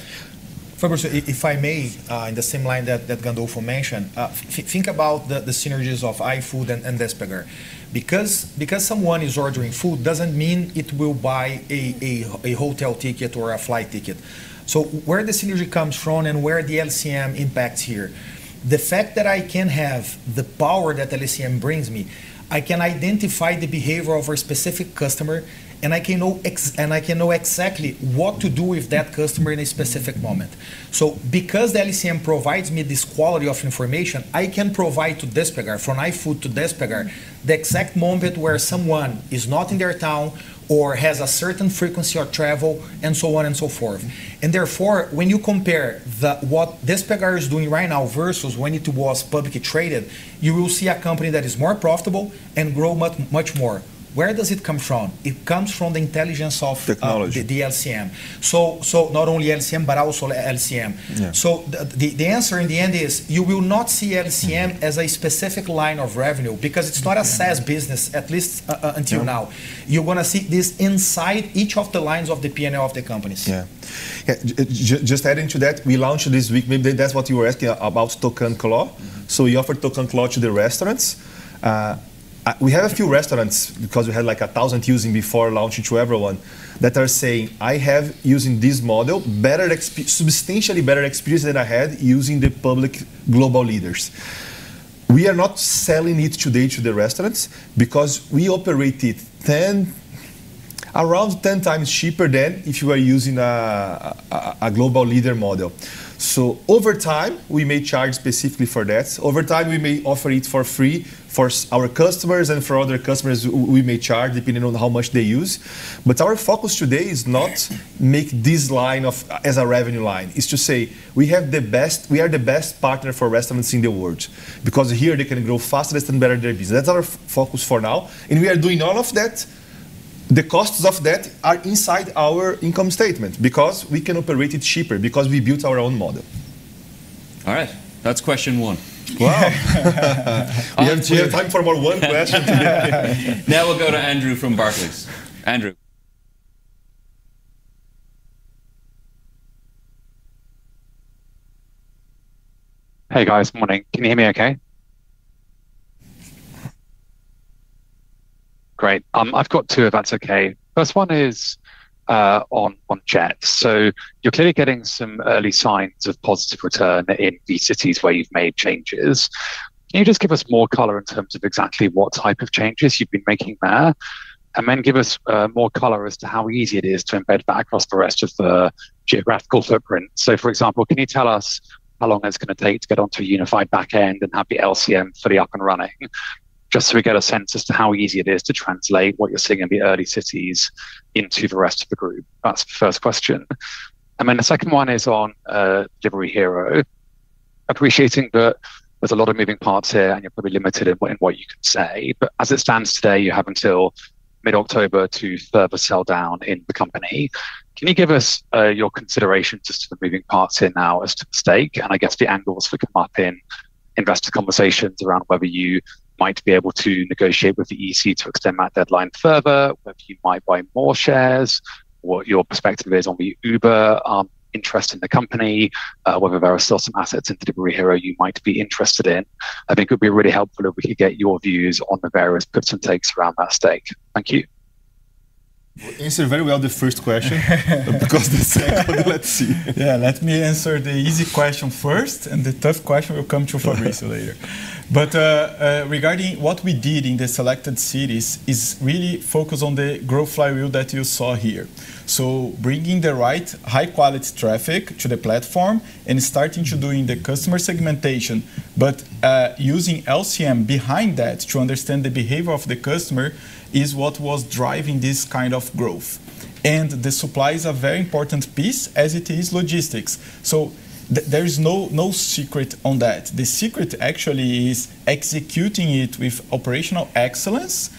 Fabricio, if I may, in the same line that Gandolfo mentioned, think about the synergies of iFood and Despegar. Because someone is ordering food doesn't mean it will buy a hotel ticket or a flight ticket. Where the synergy comes from and where the LCM impacts here, the fact that I can have the power that the LCM brings me, I can identify the behavior of a specific customer, and I can know exactly what to do with that customer in a specific moment. Because the LCM provides me this quality of information, I can provide to Despegar, from iFood to Despegar, the exact moment where someone is not in their town or has a certain frequency of travel, and so on and so forth. When you compare what Despegar is doing right now versus when it was publicly traded, you will see a company that is more profitable and grow much more. Where does it come from? It comes from the intelligence of. Technology the LCM. Not only LCM, but also LCM. Yeah. The answer in the end is you will not see LCM as a specific line of revenue because it's not a SaaS business, at least until now. You're going to see this inside each of the lines of the P&L of the companies. Yeah. Just adding to that, we launched this week, maybe that's what you were asking about ToqanClaw. We offered ToqanClaw to the restaurants. We have a few restaurants because we had 1,000 using before launching to everyone that are saying, "I have, using this model, substantially better experience than I had using the public global leaders." We are not selling it today to the restaurants because we operate it around 10 times cheaper than if you are using a global leader model. Over time, we may charge specifically for that. Over time, we may offer it for free for our customers and for other customers, we may charge depending on how much they use. Our focus today is not make this line as a revenue line. It's to say, we are the best partner for restaurants in the world because here they can grow fastest and better their business. That's our focus for now. We are doing all of that. The costs of that are inside our income statement because we can operate it cheaper because we built our own model. All right. That's question one. Wow. We have time for more one question today. We'll go to Andrew from Barclays. Andrew. Hey, guys. Morning. Can you hear me okay? Great. I've got two, if that's okay. First one is on JET. You're clearly getting some early signs of positive return in the cities where you've made changes. Can you just give us more color in terms of exactly what type of changes you've been making there? Give us more color as to how easy it is to embed that across the rest of the geographical footprint. For example, can you tell us how long that's going to take to get onto a unified backend and have the LCM fully up and running? Just so we get a sense as to how easy it is to translate what you're seeing in the early cities into the rest of the group. That's the first question. The second one is on Delivery Hero. Appreciating that there's a lot of moving parts here, and you're probably limited in what you can say. As it stands today, you have until mid-October to further sell down in the company. Can you give us your consideration as to the moving parts here now as to the stake? I guess the angles that come up in investor conversations around whether you might be able to negotiate with the EC to extend that deadline further, whether you might buy more shares, what your perspective is on the Uber interest in the company, whether there are still some assets into Delivery Hero you might be interested in. I think it would be really helpful if we could get your views on the various gives and takes around that stake. Thank you. You answered very well the first question. The second, let's see. Yeah, let me answer the easy question first, the tough question will come to Fabricio later. Regarding what we did in the selected cities is really focus on the growth flywheel that you saw here. Bringing the right high-quality traffic to the platform and starting to doing the customer segmentation. Using LCM behind that to understand the behavior of the customer is what was driving this kind of growth. The supply is a very important piece as it is logistics. There is no secret on that. The secret actually is executing it with operational excellence.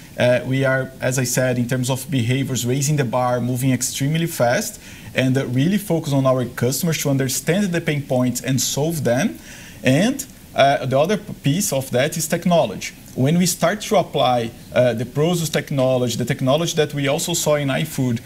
We are, as I said, in terms of behaviors, raising the bar, moving extremely fast, and really focus on our customers to understand the pain points and solve them. The other piece of that is technology. When we start to apply the Prosus technology, the technology that we also saw in iFood,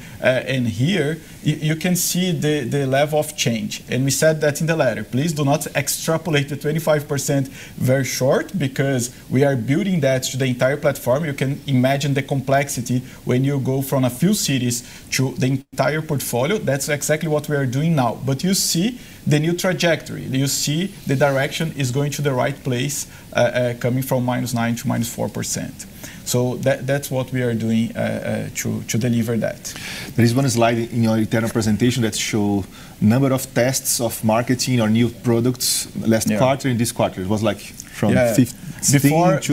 here you can see the level of change. We said that in the letter. Please do not extrapolate the 25% very short because we are building that to the entire platform. You can imagine the complexity when you go from a few cities to the entire portfolio. That's exactly what we are doing now. You see the new trajectory. You see the direction is going to the right place coming from -9% to -4%. That's what we are doing to deliver that. There is one slide in your internal presentation that show number of tests of marketing or new products last quarter. In this quarter, it was like from 15 to-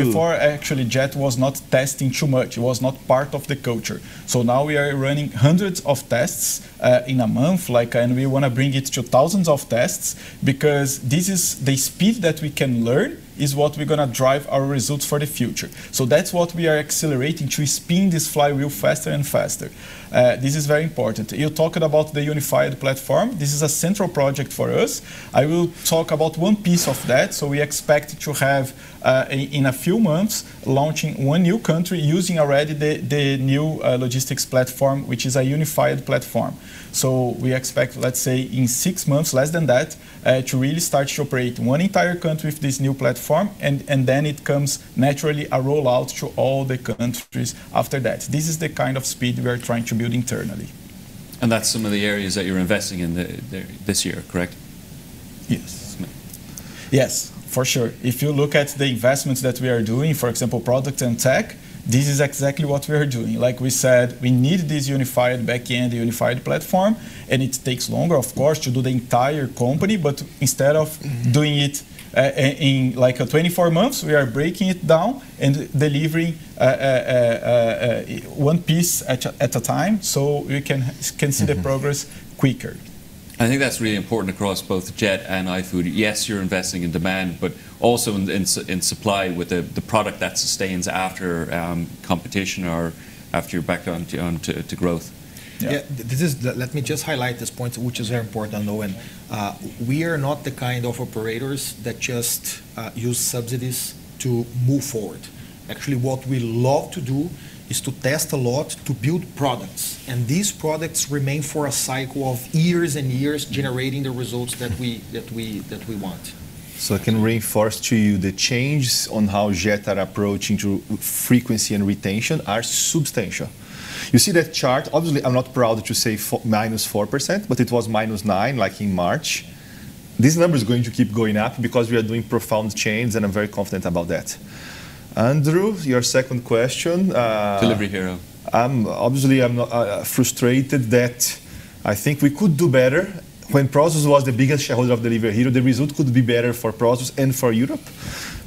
Before, actually, JET was not testing too much. It was not part of the culture. Now we are running hundreds of tests in a month, and we want to bring it to thousands of tests because this is the speed that we can learn is what we're going to drive our results for the future. That's what we are accelerating to spin this flywheel faster and faster. This is very important. You're talking about the unified platform. This is a central project for us. I will talk about one piece of that. We expect to have in a few months launching one new country using already the new logistics platform, which is a unified platform. We expect, let's say, in six months, less than that to really start to operate one entire country with this new platform. Then it comes naturally a rollout to all the countries after that. This is the kind of speed we are trying to build internally. That's some of the areas that you're investing in this year, correct? Yes. Yes, for sure. If you look at the investments that we are doing, for example, product and tech, this is exactly what we are doing. Like we said, we need this unified back-end, unified platform, and it takes longer, of course, to do the entire company. Instead of doing it in 24 months, we are breaking it down and delivering one piece at a time so we can see the progress quicker. I think that's really important across both JET and iFood. Yes, you're investing in demand, but also in supply with the product that sustains after competition or after you're back onto growth. Yeah. Let me just highlight this point, which is very important, though. We are not the kind of operators that just use subsidies to move forward. Actually, what we love to do is to test a lot to build products, and these products remain for a cycle of years and years generating the results that we want. I can reinforce to you the changes on how JET are approaching through frequency and retention are substantial. You see that chart, obviously, I'm not proud to say -4%, but it was -9% in March. This number's going to keep going up because we are doing profound change, and I'm very confident about that. Andrew, your second question. Delivery Hero. Obviously, I'm frustrated that I think we could do better when Prosus was the biggest shareholder of Delivery Hero. The result could be better for Prosus and for Europe,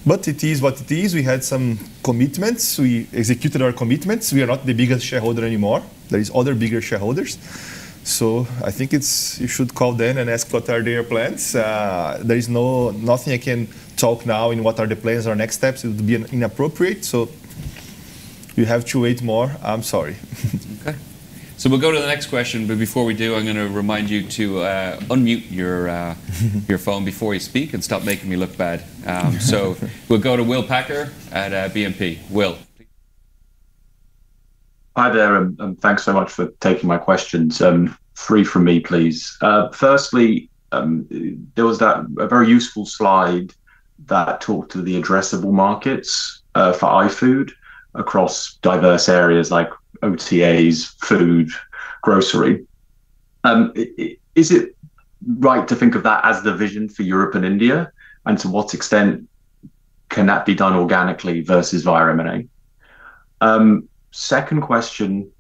but it is what it is. We had some commitments. We executed our commitments. We are not the biggest shareholder anymore. There is other bigger shareholders. I think you should call them and ask what are their plans. There is nothing I can talk now in what are the plans or next steps. It would be inappropriate. You have to wait more. I'm sorry. Okay. We'll go to the next question, but before we do, I'm going to remind you to unmute your phone before you speak and stop making me look bad. We'll go to Will Packer at BNP. Will. Hi there, thanks so much for taking my questions. Three from me, please. Firstly, there was that very useful slide that talked to the addressable markets for iFood across diverse areas like OTAs, food, grocery. Is it right to think of that as the vision for Europe and India? To what extent can that be done organically versus via M&A? Second question,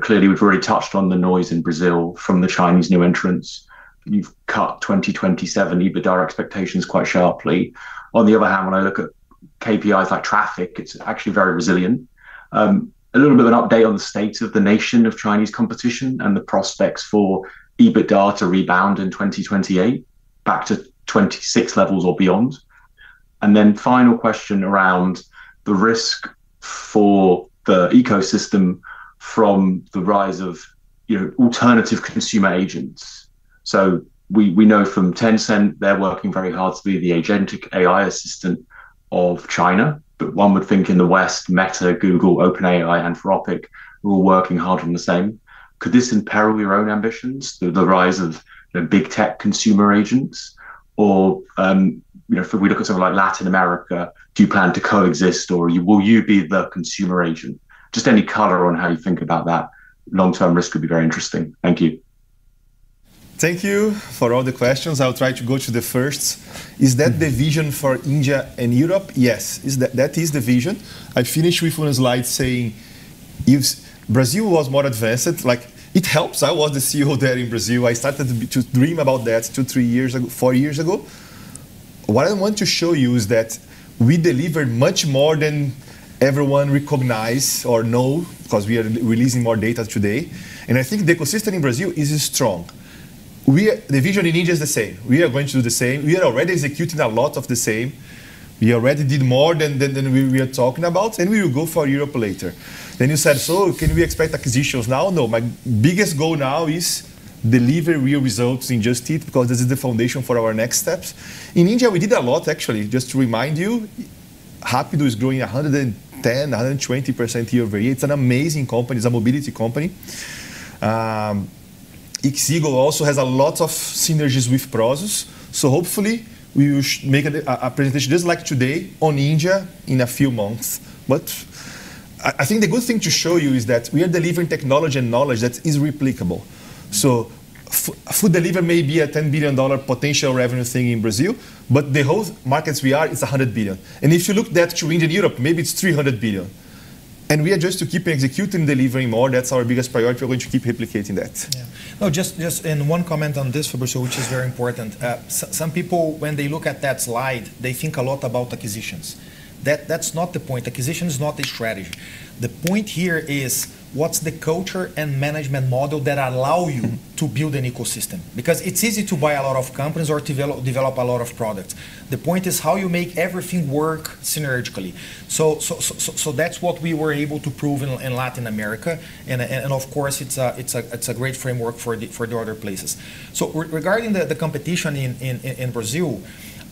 clearly, we've already touched on the noise in Brazil from the Chinese new entrants. You've cut 2027 EBITDA expectations quite sharply. On the other hand, when I look at KPIs like traffic, it's actually very resilient. A little bit of an update on the state of the nation of Chinese competition and the prospects for EBITDA to rebound in 2028, back to 2026 levels or beyond. Final question around the risk for the ecosystem from the rise of alternative consumer agents. We know from Tencent, they're working very hard to be the agentic AI assistant of China. One would think in the West, Meta, Google, OpenAI, Anthropic, who are working hard on the same. Could this imperil your own ambitions, the rise of big tech consumer agents? If we look at somewhere like Latin America, do you plan to coexist, or will you be the consumer agent? Just any color on how you think about that long-term risk would be very interesting. Thank you. Thank you for all the questions. I'll try to go to the first. Is that the vision for India and Europe? Yes. That is the vision. I finished with one slide saying if Brazil was more advanced, it helps. I was the CEO there in Brazil. I started to dream about that two, three years ago, four years ago. What I want to show you is that we delivered much more than everyone recognized or know because we are releasing more data today. I think the ecosystem in Brazil is strong. The vision in India is the same. We are going to do the same. We are already executing a lot of the same. We already did more than we are talking about. We will go for Europe later. You said, "Can we expect acquisitions now?" No, my biggest goal now is deliver real results in Just Eat because this is the foundation for our next steps. In India, we did a lot, actually. Just to remind you, Rapido is growing 110%, 120% year-over-year. It's an amazing company. It's a mobility company. ixigo also has a lot of synergies with Prosus. Hopefully, we should make a presentation just like today on India in a few months. I think the good thing to show you is that we are delivering technology and knowledge that is replicable. Food Delivery may be a EUR 10 billion potential revenue thing in Brazil. The whole markets we are is 100 billion. If you look that to India and Europe, maybe it's 300 billion. We are just to keep executing, delivering more. That's our biggest priority. We're going to keep replicating that. Yeah. No, just one comment on this, Fabricio, which is very important. Some people, when they look at that slide, they think a lot about acquisitions. That's not the point. Acquisition is not the strategy. The point here is what's the culture and management model that allow you to build an ecosystem? Because it's easy to buy a lot of companies or develop a lot of products. The point is how you make everything work synergistically. That's what we were able to prove in Latin America. Of course, it's a great framework for the other places. Regarding the competition in Brazil,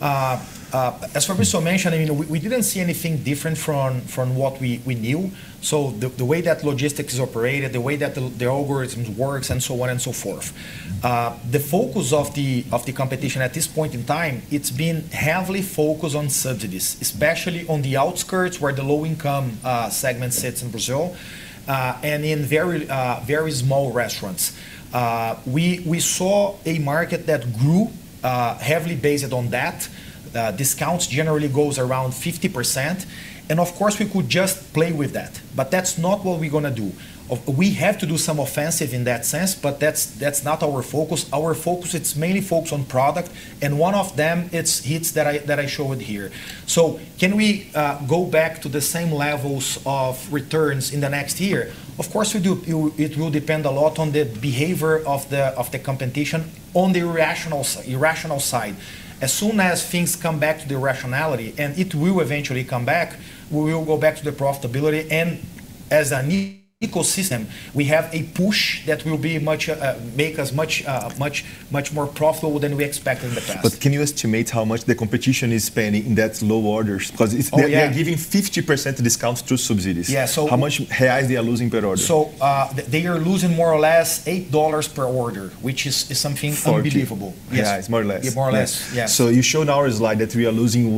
as Fabricio mentioned, we didn't see anything different from what we knew. The way that logistics is operated, the way that the algorithms works, and so on and so forth. The focus of the competition at this point in time, it's been heavily focused on subsidies, especially on the outskirts where the low-income segment sits in Brazil, and in very small restaurants. We saw a market that grew heavily based on that. Discounts generally goes around 50%. Of course, we could just play with that's not what we're going to do. We have to do some offensive in that sense, that's not our focus. Our focus, it's mainly focused on product, and one of them, it hits that I showed here. Can we go back to the same levels of returns in the next year? Of course, we do. It will depend a lot on the behavior of the competition on the irrational side. As soon as things come back to the rationality, and it will eventually come back, we will go back to the profitability. As an ecosystem, we have a push that will make us much more profitable than we expected in the past. Can you estimate how much the competition is spending in that low orders? Oh, yeah They're giving 50% discounts through subsidies. Yeah. How much BRL they are losing per order? They are losing more or less EUR 8 per order, which is something unbelievable. 40. Yes. Yeah, it's more or less. Yeah, more or less. Yeah. You showed in our slide that we are losing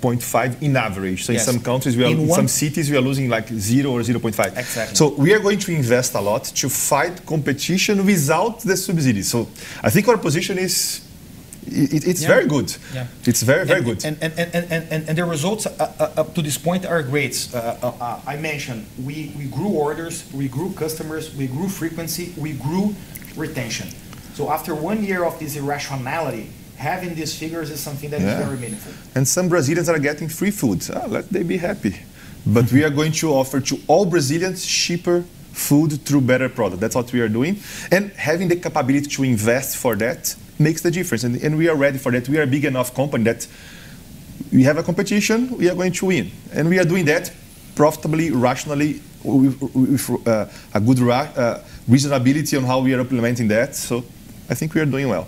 1.5 in average. Yes. In some cities, we are losing zero or 0.5. Exactly. We are going to invest a lot to fight competition without the subsidies. I think our position is very good. Yeah. It's very good. The results up to this point are great. I mentioned we grew orders, we grew customers, we grew frequency, we grew retention. After one year of this irrationality, having these figures is something that. Yeah Is very meaningful. Some Brazilians are getting free food. Let they be happy. We are going to offer to all Brazilians cheaper food through better product. That's what we are doing. Having the capability to invest for that makes the difference. We are ready for that. We are a big enough company that we have a competition, we are going to win. We are doing that profitably, rationally, with a good reasonability on how we are implementing that. I think we are doing well.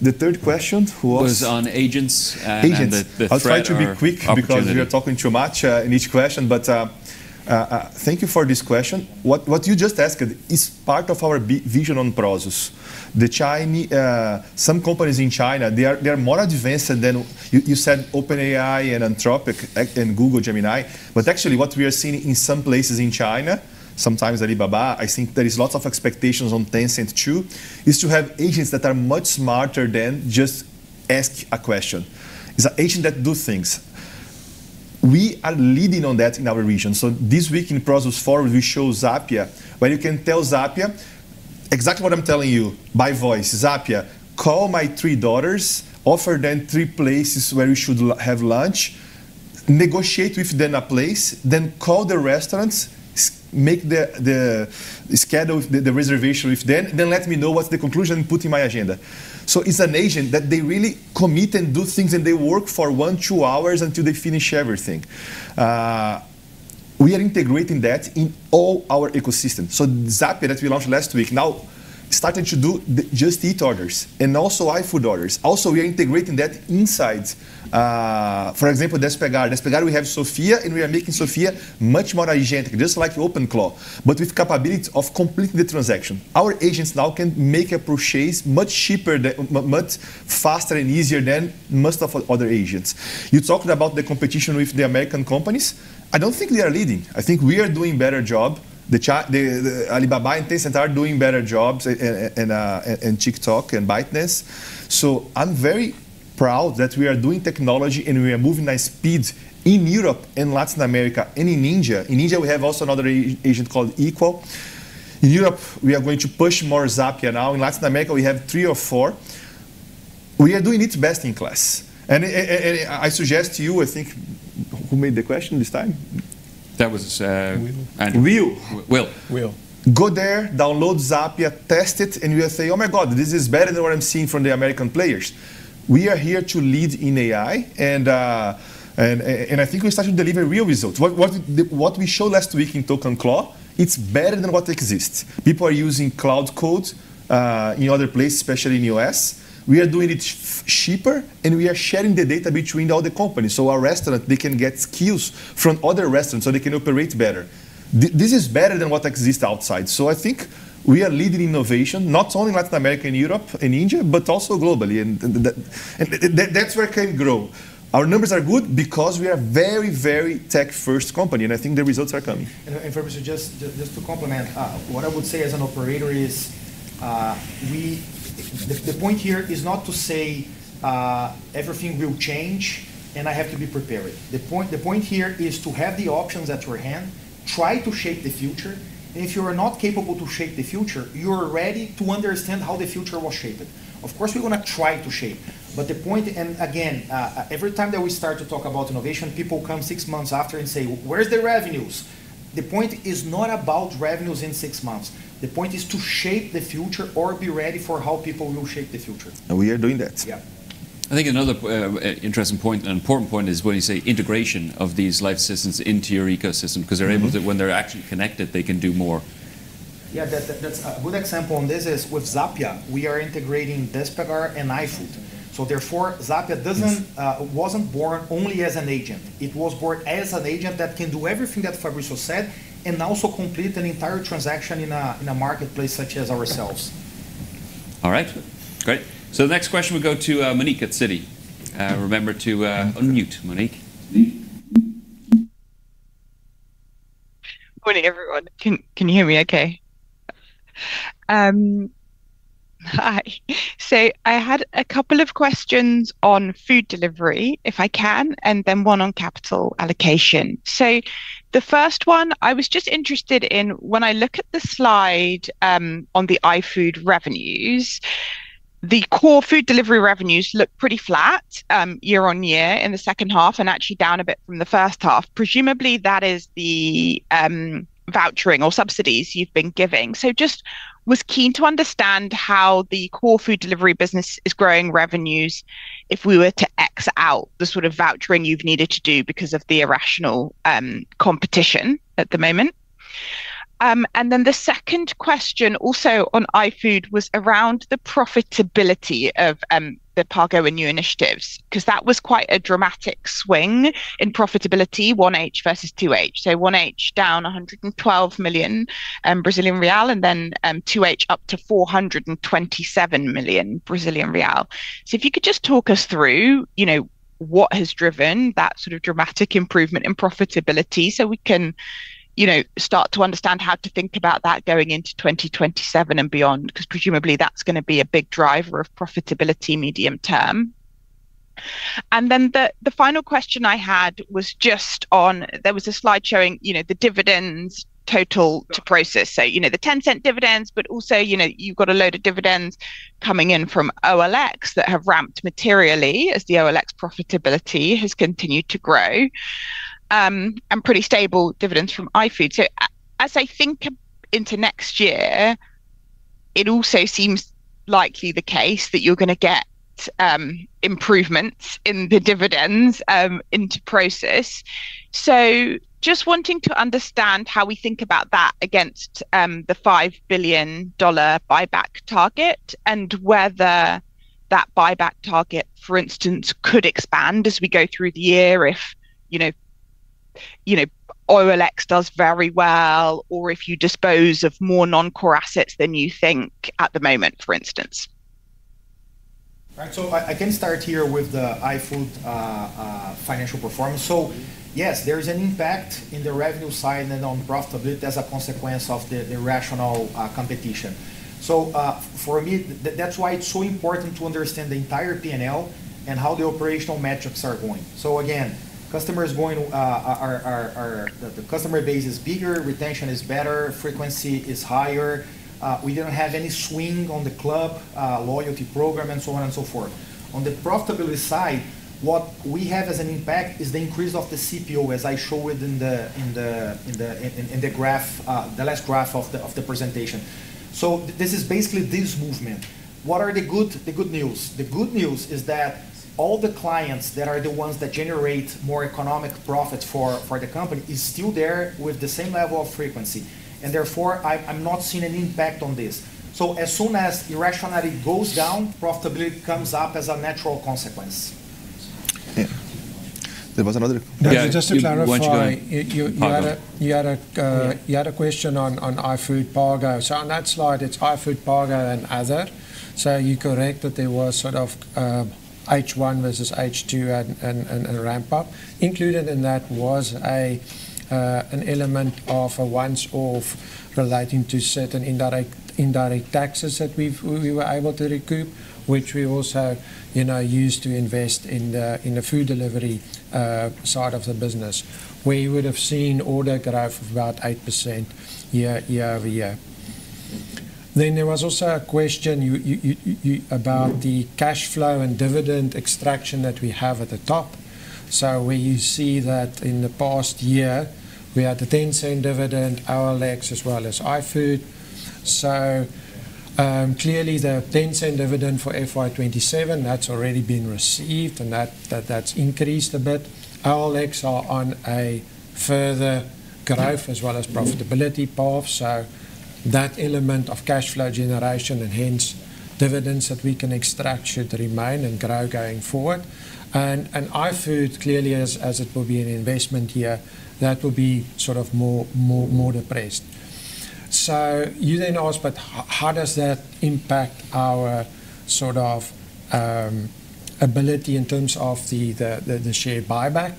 The third question, who was? Was on agents and the threat- Agents or opportunity. I'll try to be quick because we are talking too much in each question. Thank you for this question. What you just asked is part of our big vision on Prosus. Some companies in China, they are more advanced than, you said OpenAI and Anthropic, and Google Gemini, but actually what we are seeing in some places in China, sometimes Alibaba, I think there is lots of expectations on Tencent too, is to have agents that are much smarter than just ask a question. It's an agent that do things. We are leading on that in our region. This week in Prosus Forward, we show Zapia, where you can tell Zapia exactly what I'm telling you by voice, "Zapia, call my three daughters, offer them three places where we should have lunch, negotiate with them a place, then call the restaurants, schedule the reservation with them, then let me know what's the conclusion, put in my agenda." It's an agent that they really commit and do things, and they work for one, two hours until they finish everything. We are integrating that in all our ecosystem. Zapia, that we launched last week, now starting to do Just Eat orders, and also iFood orders. Also, we are integrating that inside. For example, Despegar. Despegar we have Sophia, and we are making Sophia much more agentic, just like OpenClaw, but with capabilities of completing the transaction. Our agents now can make a purchase much faster and easier than most of other agents. You talked about the competition with the American companies. I don't think they are leading. I think we are doing better job. The Alibaba and Tencent are doing better jobs, and TikTok and ByteDance. I'm very proud that we are doing technology and we are moving the speeds in Europe, in Latin America, and in India. In India, we have also another agent called Equal AI. In Europe, we are going to push more Zapia now. In Latin America, we have three or four. We are doing it best in class. I suggest to you, I think, who made the question this time? Will. Andrew. Will. Will. Go there, download Zapier, test it, you will say, "Oh my God, this is better than what I'm seeing from the American players." We are here to lead in AI. I think we're starting to deliver real results. What we showed last week in ToqanClaw, it's better than what exists. People are using cloud codes in other places, especially in the U.S. We are doing it cheaper, and we are sharing the data between all the companies. Our restaurant, they can get skills from other restaurants, so they can operate better. This is better than what exists outside. I think we are leading innovation, not only in Latin America and Europe and India, but also globally. That's where it can grow. Our numbers are good because we are very tech-first company. I think the results are coming. Fabricio just to complement, what I would say as an operator is the point here is not to say everything will change, and I have to be prepared. The point here is to have the options at your hand, try to shape the future, and if you are not capable to shape the future, you are ready to understand how the future was shaped. Of course, we're going to try to shape. The point, and again, every time that we start to talk about innovation, people come six months after and say, "Where's the revenues?" The point is not about revenues in six months. The point is to shape the future or be ready for how people will shape the future. We are doing that. Yeah. I think another interesting point and important point is when you say integration of these life systems into your ecosystem, because they're able to, when they're actually connected, they can do more. Yeah. A good example on this is with Zapier, we are integrating Despegar and iFood. Therefore, Zapier wasn't born only as an agent. It was born as an agent that can do everything that Fabricio said, and also complete an entire transaction in a marketplace such as ourselves. All right. Great. The next question will go to Monique at Citi. Remember to unmute, Monique. Morning, everyone. Can you hear me okay? Hi. I had a couple of questions on food delivery, if I can, and then one on capital allocation. The first one I was just interested in, when I look at the slide on the iFood revenues, the core food delivery revenues look pretty flat year-on-year in the second half, and actually down a bit from the first half. Presumably, that is the vouchering or subsidies you've been giving. Just was keen to understand how the core food delivery business is growing revenues if we were to X out the sort of vouchering you've needed to do because of the irrational competition at the moment. The second question, also on iFood, was around the profitability of the Pago and new initiatives, because that was quite a dramatic swing in profitability, 1H versus 2H. 1H down 112 million Brazilian real, 2H up to 427 million Brazilian real. If you could just talk us through what has driven that sort of dramatic improvement in profitability so we can start to understand how to think about that going into 2027 and beyond, because presumably that's going to be a big driver of profitability medium term. The final question I had was just on, there was a slide showing the dividends total to Prosus. The Tencent dividends, but also you've got a load of dividends coming in from OLX that have ramped materially as the OLX profitability has continued to grow, and pretty stable dividends from iFood. As I think into next year, it also seems likely the case that you're going to get improvements in the dividends into Prosus. Just wanting to understand how we think about that against the EUR 5 billion buyback target and whether that buyback target, for instance, could expand as we go through the year if OLX does very well or if you dispose of more non-core assets than you think at the moment, for instance. Right. I can start here with the iFood financial performance. Yes, there is an impact in the revenue side and on profitability as a consequence of the irrational competition. For me, that's why it's so important to understand the entire P&L and how the operational metrics are going. Again, the customer base is bigger, retention is better, frequency is higher. We don't have any swing on the Club loyalty program and so on and so forth. On the profitability side, what we have as an impact is the increase of the CPO, as I showed in the last graph of the presentation. This is basically this movement. What are the good news? The good news is that all the clients that are the ones that generate more economic profits for the company is still there with the same level of frequency, and therefore, I'm not seeing an impact on this. As soon as irrationality goes down, profitability comes up as a natural consequence. Yeah. There was another. Just to clarify. You want to go. You had a question on iFood Pago. On that slide, it's iFood, Pago, and other. You're correct that there was sort of H1 versus H2 and a ramp up. Included in that was an element of a once off relating to certain indirect taxes that we were able to recoup, which we also used to invest in the food delivery side of the business, where you would've seen order growth of about 8% year-over-year. There was also a question about the cash flow and dividend extraction that we have at the top. Where you see that in the past year, we had a Tencent dividend, OLX, as well as iFood. Clearly the Tencent dividend for FY 2027, that's already been received and that's increased a bit. OLX are on a further growth as well as profitability path. That element of cash flow generation and hence dividends that we can extract should remain and grow going forward. iFood clearly as it will be an investment here, that will be sort of more depressed. You then asked, how does that impact our sort of ability in terms of the share buyback?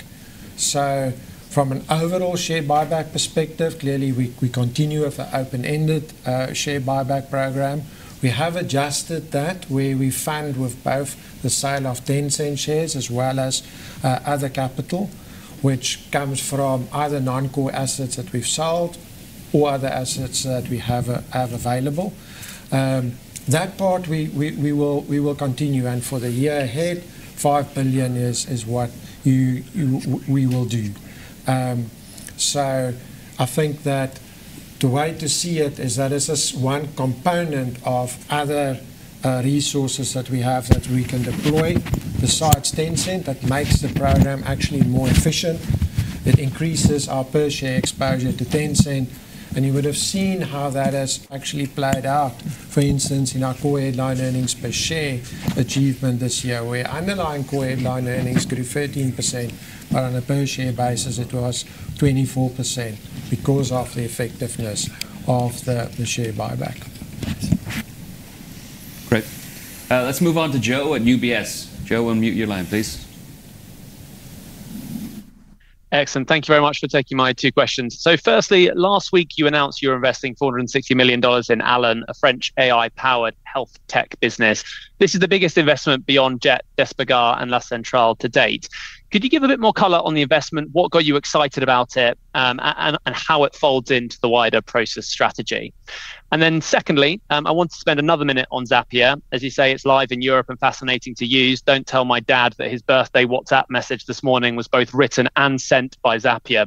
From an overall share buyback perspective, clearly we continue with the open-ended share buyback program. We have adjusted that, where we fund with both the sale of Tencent shares as well as other capital, which comes from either non-core assets that we've sold or other assets that we have available. That part, we will continue, and for the year ahead, $5 billion is what we will do. I think that the way to see it is that is just one component of other resources that we have that we can deploy besides Tencent that makes the program actually more efficient, that increases our per share exposure to Tencent. You would've seen how that has actually played out, for instance, in our core headline earnings per share achievement this year, where underlying core headline earnings grew 13%, but on a per share basis, it was 24% because of the effectiveness of the share buyback. Great. Let's move on to Joe at UBS. Joe, unmute your line, please. Excellent. Thank you very much for taking my two questions. Firstly, last week you announced you're investing EUR 460 million in Alan, a French AI-powered health tech business. This is the biggest investment beyond JET, Despegar, and La Centrale to date. Could you give a bit more color on the investment, what got you excited about it, and how it folds into the wider Prosus strategy? Secondly, I want to spend another minute on Zapier. As you say, it's live in Europe and fascinating to use. Don't tell my dad that his birthday WhatsApp message this morning was both written and sent by Zapier.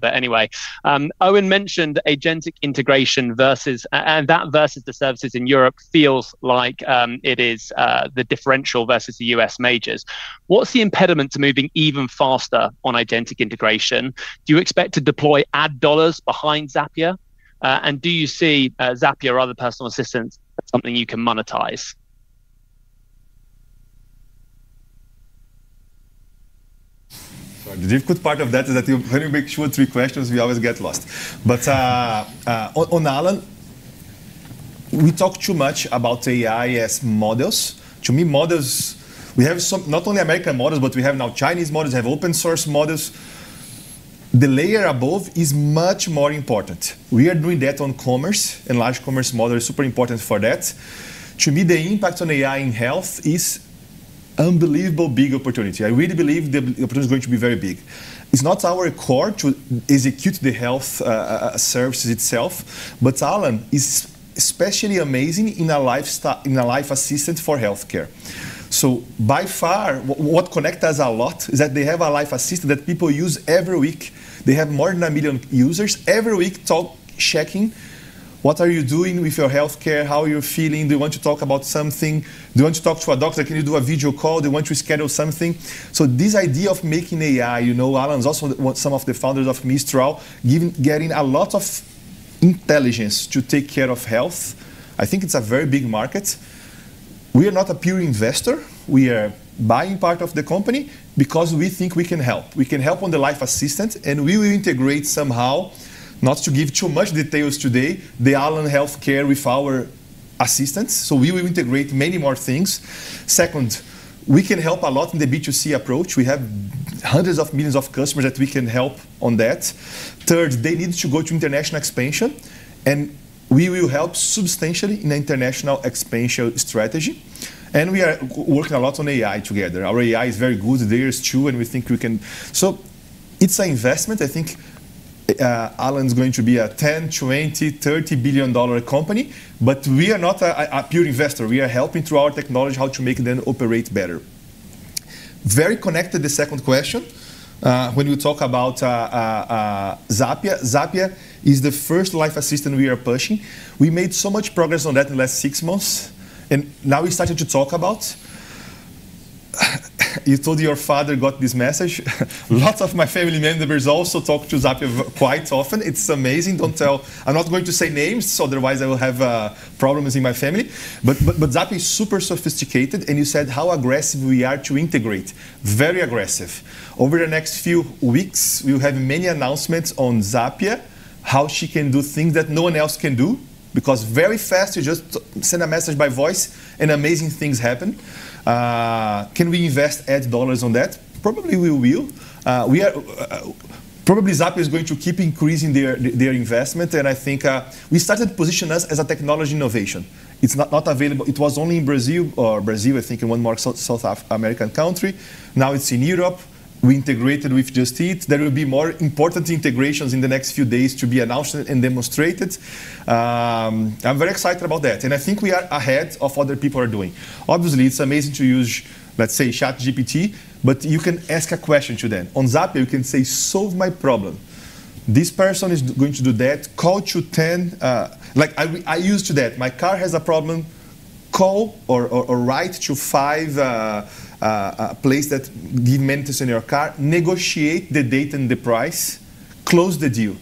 Owen mentioned agentic integration, and that versus the services in Europe feels like it is the differential versus the U.S. majors. What's the impediment to moving even faster on agentic integration? Do you expect to deploy ad dollars behind Zapier? Do you see Zapier or other personal assistants as something you can monetize? Sorry. The difficult part of that is that when you make short three questions, we always get lost. On Alan, we talk too much about AI as models. To me, models, we have not only American models, but we have now Chinese models, we have open source models. The layer above is much more important. We are doing that on commerce, and Large Commerce Model is super important for that. To me, the impact on AI in health is unbelievable big opportunity. I really believe the opportunity is going to be very big. It's not our core to execute the health services itself, but Alan is especially amazing in a life assistant for healthcare. By far, what connect us a lot is that they have a life assistant that people use every week. They have more than 1 million users every week talk, checking, what are you doing with your healthcare? How you're feeling? Do you want to talk about something? Do you want to talk to a doctor? Can you do a video call? Do you want to schedule something? This idea of making AI, Alan's also some of the founders of Mistral, getting a lot of intelligence to take care of health. I think it's a very big market. We are not a pure investor. We are buying part of the company because we think we can help. We can help on the life assistance, and we will integrate somehow, not to give too much details today, the Alan healthcare with our assistance. We will integrate many more things. Second, we can help a lot in the B2C approach. We have hundreds of millions of customers that we can help on that. Third, they need to go to international expansion, and we will help substantially in the international expansion strategy. We are working a lot on AI together. Our AI is very good. Theirs too, and we think we can It's a investment. I think, Alan's going to be a 10 billion, 20 billion, EUR 30 billion company, but we are not a pure investor. We are helping through our technology how to make them operate better. Very connected to the second question, when you talk about Zapia. Zapia is the first life assistant we are pushing. We made so much progress on that in the last six months, and now we started to talk about You told your father got this message. Lots of my family members also talk to Zapia quite often. It's amazing. Don't tell. I'm not going to say names, otherwise I will have problems in my family. Zapia is super sophisticated, and you said how aggressive we are to integrate. Very aggressive. Over the next few weeks, we will have many announcements on Zapia, how she can do things that no one else can do, because very fast, you just send a message by voice and amazing things happen. Can we invest add EUR on that? Probably, we will. Probably Zapia is going to keep increasing their investment, and I think, we started positioning us as a technology innovation. It was only in Brazil, I think, and one more South American country. Now it's in Europe. We integrated with Just Eat. There will be more important integrations in the next few days to be announced and demonstrated. I'm very excited about that, I think we are ahead of what other people are doing. Obviously, it's amazing to use, let's say, ChatGPT, but you can ask a question to them. On Zapia, you can say, "Solve my problem. This person is going to do that. Call to 10." I used that. My car has a problem. Call or write to five place that give maintenance in your car, negotiate the date and the price, close the deal.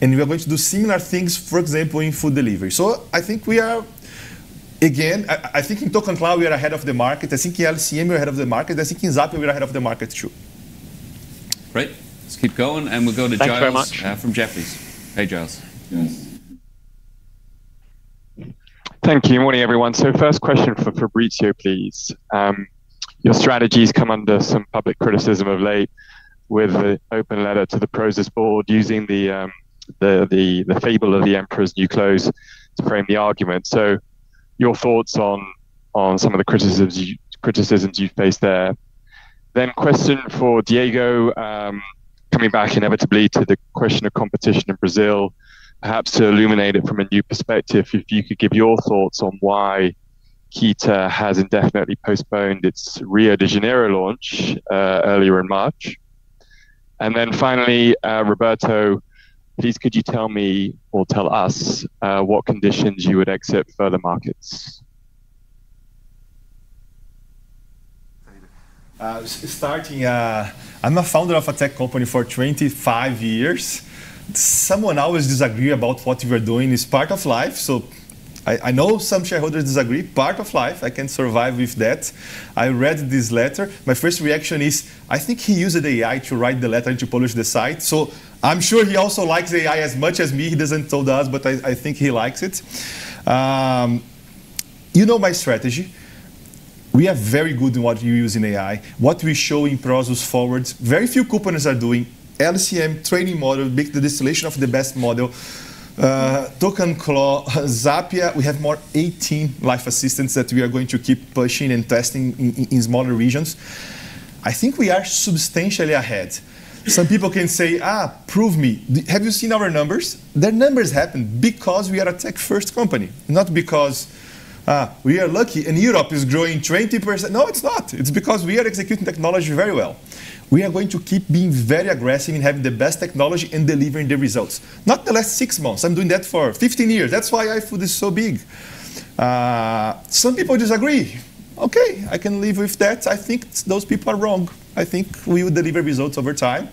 We are going to do similar things, for example, in food delivery. I think we are, again, I think in ToqanClaw, we are ahead of the market. I think in LCM, we're ahead of the market. I think in Zapia, we're ahead of the market, too. Great. Let's keep going, we'll go to Giles. Thank you very much. from Jefferies. Hey, Giles. Yes. Thank you, and morning, everyone. First question for Fabricio, please. Your strategies come under some public criticism of late with the open letter to the Prosus board using the fable of the Emperor's new clothes to frame the argument. Your thoughts on some of the criticisms you've faced there. Question for Diego, coming back inevitably to the question of competition in Brazil, perhaps to illuminate it from a new perspective. If you could give your thoughts on why Keeta has indefinitely postponed its Rio de Janeiro launch, earlier in March. Finally, Roberto, please could you tell me or tell us, what conditions you would exit further markets? Starting, I'm a founder of a tech company for 25 years. Someone always disagree about what you are doing. It's part of life. I know some shareholders disagree. Part of life. I can survive with that. I read this letter. My first reaction is, I think he used AI to write the letter and to publish the site. I'm sure he also likes AI as much as me. He doesn't told us, but I think he likes it. You know my strategy. We are very good in what we use in AI, what we show in Prosus Forward. Very few companies are doing LCM training model, make the distillation of the best model. ToqanClaw, Zapia, we have more 18 life assistants that we are going to keep pushing and testing in smaller regions. I think we are substantially ahead. Some people can say, "Prove me." Have you seen our numbers? The numbers happen because we are a tech first company, not because we are lucky and Europe is growing 20%. No, it's not. It's because we are executing technology very well. We are going to keep being very aggressive in having the best technology and delivering the results. Not the last six months. I'm doing that for 15 years. That's why iFood is so big. Some people disagree. Okay, I can live with that. I think those people are wrong. I think we will deliver results over time.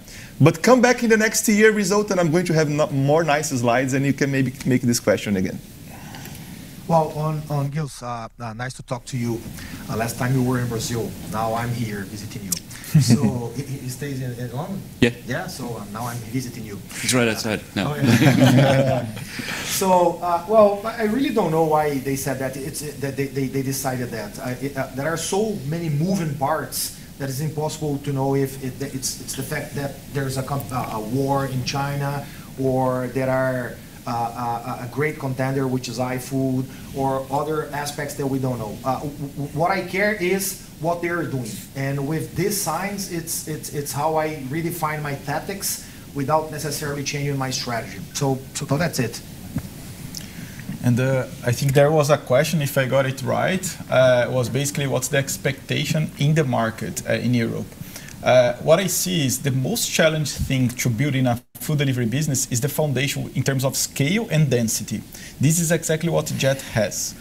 Come back in the next year result and I'm going to have more nice slides and you can maybe make this question again. Well, on Giles, nice to talk to you. Last time you were in Brazil. Now I'm here visiting you. He stays in London? Yeah. Yeah. Now I'm visiting you. He's right outside. No. Oh, yeah. Well, I really don't know why they said that, they decided that. There are so many moving parts that it's impossible to know if it's the fact that there's a war in China or there are a great contender, which is iFood, or other aspects that we don't know. What I care is what they are doing. With these signs, it's how I redefine my tactics without necessarily changing my strategy. That's it. I think there was a question, if I got it right, was basically what's the expectation in the market in Europe? What I see is the most challenging thing to building a food delivery business is the foundation in terms of scale and density. This is exactly what Just Eat has.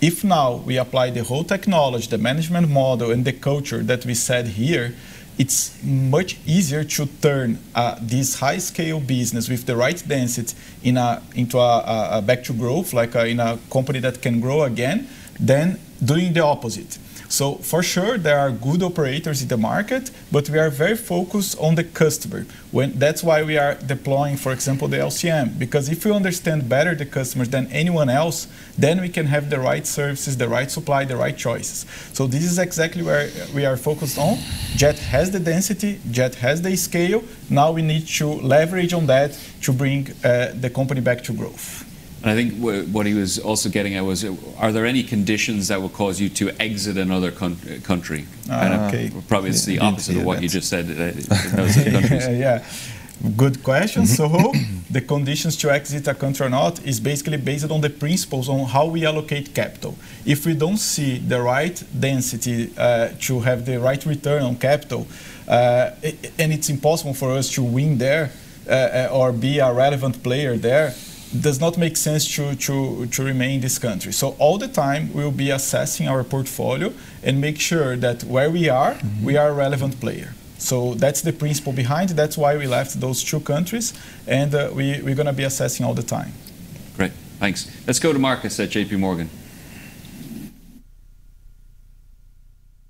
If now we apply the whole technology, the management model, and the culture that we said here, it's much easier to turn this high-scale business with the right density back to growth, like in a company that can grow again, than doing the opposite. For sure, there are good operators in the market, but we are very focused on the customer. That's why we are deploying, for example, the LCM. Because if you understand better the customers than anyone else, we can have the right services, the right supply, the right choices. this is exactly where we are focused on. Just Eat has the density, Just Eat has the scale. Now we need to leverage on that to bring the company back to growth. I think what he was also getting at was are there any conditions that will cause you to exit another country? Okay. Probably it's the opposite of what you just said. Those other countries. Yeah. Good question, Soho. The conditions to exit a country or not is basically based on the principles on how we allocate capital. If we don't see the right density to have the right return on capital, and it's impossible for us to win there or be a relevant player there, does not make sense to remain in this country. All the time we will be assessing our portfolio and make sure that where we are, we are a relevant player. That's the principle behind it. That's why we left those two countries, and we're going to be assessing all the time. Great. Thanks. Let's go to Marcus at JPMorgan.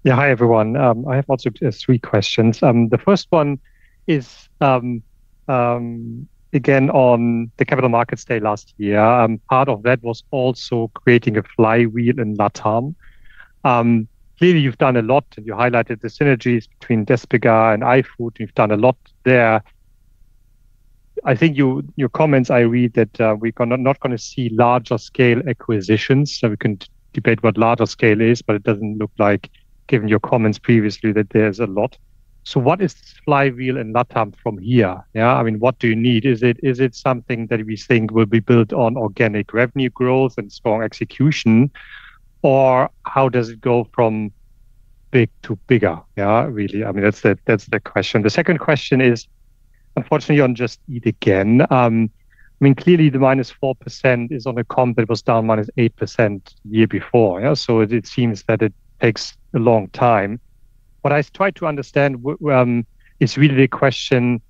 Hi, everyone. I have also just three questions. The first one is, again, on the Capital Markets Day last year. Part of that was also creating a flywheel in LatAm. Clearly, you've done a lot and you highlighted the synergies between Despegar and iFood. You've done a lot there. I think your comments I read that we're not going to see larger scale acquisitions. We can debate what larger scale is, but it doesn't look like, given your comments previously, that there's a lot. What is this flywheel in LatAm from here? What do you need? Is it something that we think will be built on organic revenue growth and strong execution? Or how does it go from big to bigger? Really, that's the question. The second question is, unfortunately on Just Eat again. Clearly the -4% is on a comp that was down -8% year before. It seems that it takes a long time. What I try to understand is really the question,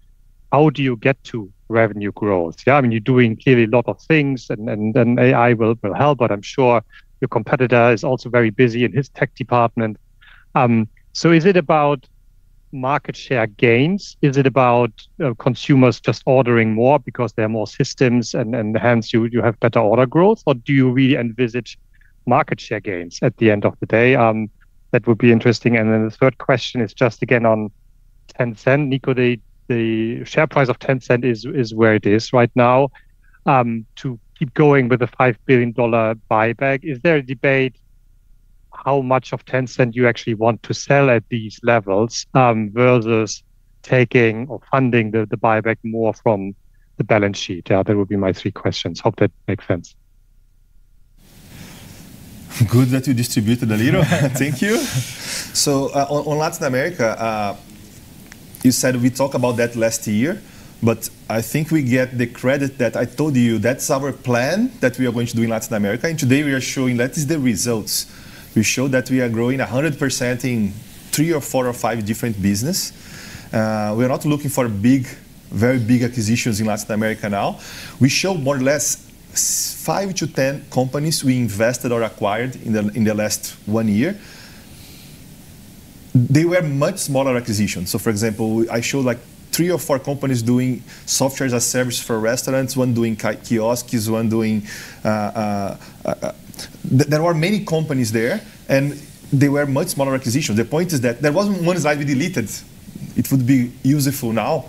how do you get to revenue growth? You're doing clearly a lot of things, and AI will help, but I'm sure your competitor is also very busy in his tech department. Is it about market share gains? Is it about consumers just ordering more because there are more systems and hence you have better order growth? Or do you really envisage market share gains at the end of the day? That would be interesting. The third question is just again on Tencent. Nico, the share price of Tencent is where it is right now. To keep going with a EUR 5 billion buyback, is there a debate how much of Tencent you actually want to sell at these levels versus taking or funding the buyback more from the balance sheet? That would be my three questions. Hope that makes sense. Good that you distributed a little. Thank you. On Latin America, you said we talk about that last year. I think we get the credit that I told you that is our plan that we are going to do in Latin America. Today we are showing that is the results. We show that we are growing 100% in three or four or five different businesses. We are not looking for very big acquisitions in Latin America now. We show more or less five to 10 companies we invested or acquired in the last one year. They were much smaller acquisitions. For example, I showed three or four companies doing software as a service for restaurants, one doing kiosks, one doing. There were many companies there, and they were much smaller acquisitions. The point is that there wasn't one slide we deleted. It would be useful now.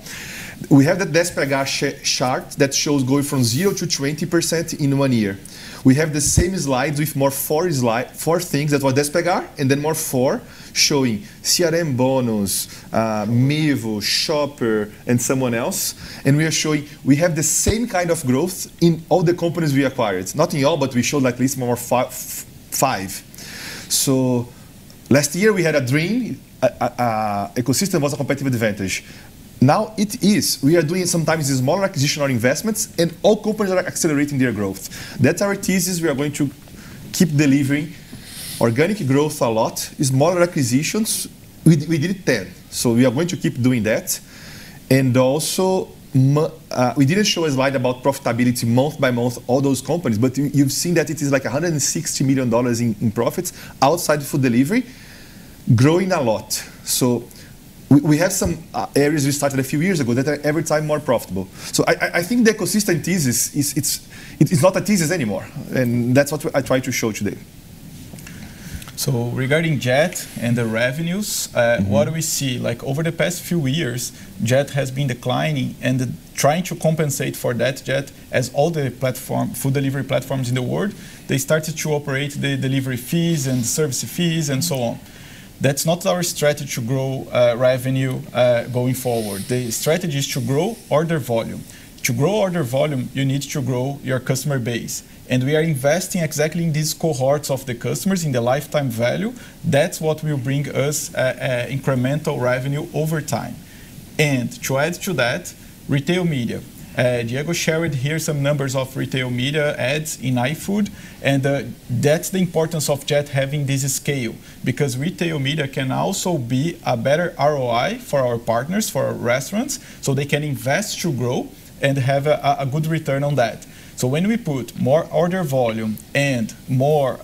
We have the Despegar chart that shows going from zero to 20% in one year. We have the same slides with more four things that were Despegar. More four showing CRMBonus, Mevo, Shopper, and someone else. We are showing we have the same kind of growth in all the companies we acquired. Not in all. We show at least more five. Last year we had a dream. Ecosystem was a competitive advantage. Now it is. We are doing sometimes the smaller acquisition or investments. All companies are accelerating their growth. That's our thesis we are going to keep delivering. Organic growth a lot is more acquisitions. We did 10. We are going to keep doing that. We didn't show a slide about profitability month by month, all those companies. You've seen that it is like EUR 160 million in profits outside food delivery growing a lot. We have some areas we started a few years ago that are every time more profitable. I think the ecosystem thesis, it's not a thesis anymore. That's what I tried to show today. Regarding JET and the revenues, what do we see? Over the past few years, JET has been declining. Trying to compensate for that, JET, as all the food delivery platforms in the world, they started to operate the delivery fees and service fees and so on. That's not our strategy to grow revenue going forward. The strategy is to grow order volume. To grow order volume, you need to grow your customer base. We are investing exactly in these cohorts of the customers in the lifetime value. That's what will bring us incremental revenue over time. To add to that, retail media. Diego shared here some numbers of retail media ads in iFood, that's the importance of JET having this scale, because retail media can also be a better ROI for our partners, for our restaurants, so they can invest to grow and have a good return on that. When we put more order volume and more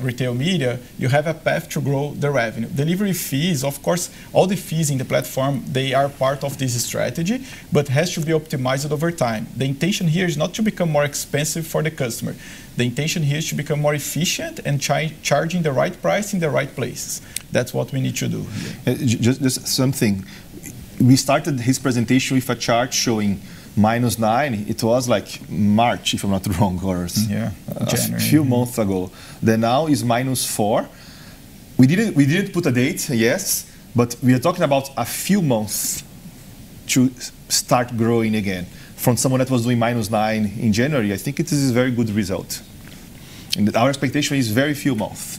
retail media, you have a path to grow the revenue. Delivery fees, of course, all the fees in the platform, they are part of this strategy, but has to be optimized over time. The intention here is not to become more expensive for the customer. The intention here is to become more efficient and charging the right price in the right places. That's what we need to do. Just something. We started his presentation with a chart showing minus nine. It was like March, if I'm not wrong. Yeah. January A few months ago. Now is minus four. We didn't put a date, yes, but we are talking about a few months to start growing again. From someone that was doing minus nine in January, I think it is a very good result. Our expectation is very few months.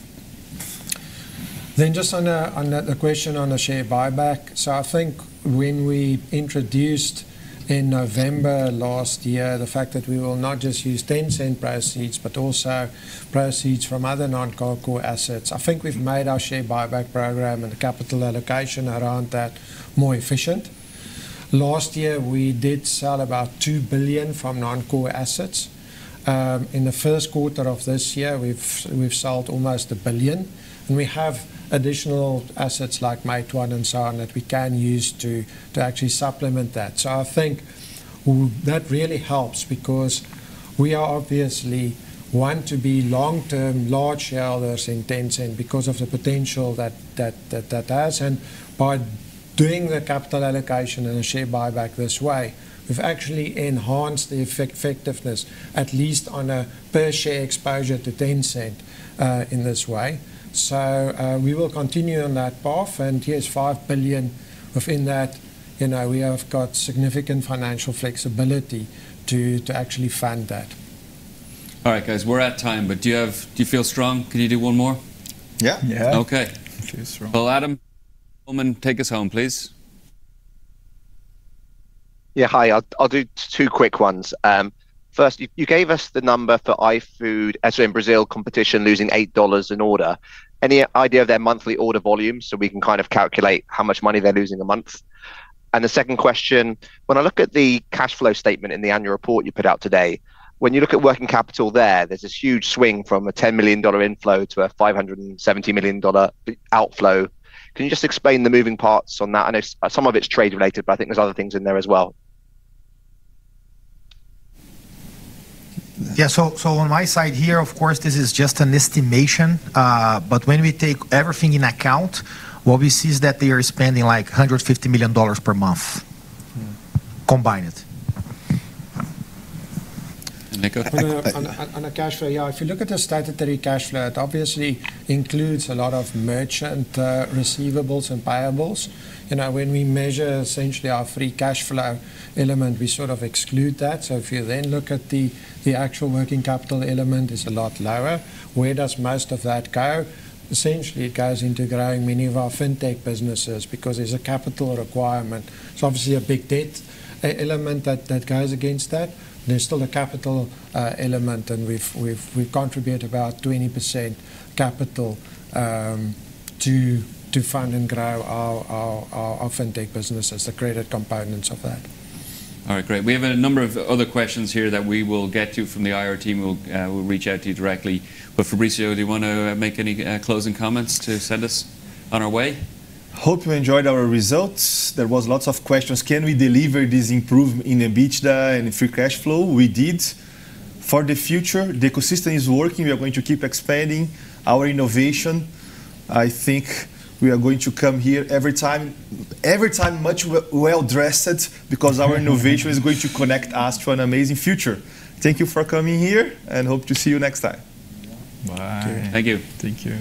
Just on the question on the share buyback. I think when we introduced in November last year, the fact that we will not just use Tencent proceeds, but also proceeds from other non-core assets. I think we've made our share buyback program and the capital allocation around that more efficient. Last year, we did sell about $2 billion from non-core assets. In the first quarter of this year, we've sold almost $1 billion, and we have additional assets like Meituan and so on that we can use to actually supplement that. I think that really helps because we are obviously want to be long-term large shareholders in Tencent because of the potential that that has. By doing the capital allocation and the share buyback this way, we've actually enhanced the effectiveness, at least on a per share exposure to Tencent, in this way. We will continue on that path, and here's $5 billion within that. We have got significant financial flexibility to actually fund that. All right, guys. We're out of time. Do you feel strong? Can you do one more? Yeah. Yeah. Okay. Feel strong. Well, Adam Hillman, take us home, please. Yeah. Hi, I'll do two quick ones. You gave us the number for iFood, as in Brazil competition losing EUR 8 an order. Any idea of their monthly order volume so we can kind of calculate how much money they're losing a month? The second question, when I look at the cash flow statement in the annual report you put out today, when you look at working capital there's this huge swing from a EUR 10 million inflow to a EUR 570 million outflow. Can you just explain the moving parts on that? I know some of it's trade-related, but I think there's other things in there as well. Yeah. On my side here, of course, this is just an estimation. When we take everything in account, what we see is that they are spending like EUR 150 million per month combined. Nico? On the cash flow, yeah. If you look at the statutory cash flow, it obviously includes a lot of merchant receivables and payables. When we measure essentially our free cash flow element, we sort of exclude that. If you then look at the actual working capital element is a lot lower. Where does most of that go? Essentially, it goes into growing many of our fintech businesses because there's a capital requirement. It's obviously a big debt element that goes against that. There's still a capital element, and we contribute about 20% capital to fund and grow our fintech businesses, the credit components of that. All right, great. We have a number of other questions here that we will get to from the IR team who will reach out to you directly. Fabricio, do you want to make any closing comments to send us on our way? Hope you enjoyed our results. There was lots of questions. Can we deliver this improvement in EBITDA and free cash flow? We did. For the future, the ecosystem is working. We are going to keep expanding our innovation. I think we are going to come here every time much well-dressed because our innovation is going to connect us to an amazing future. Thank you for coming here, and hope to see you next time. Bye. Thank you. Thank you.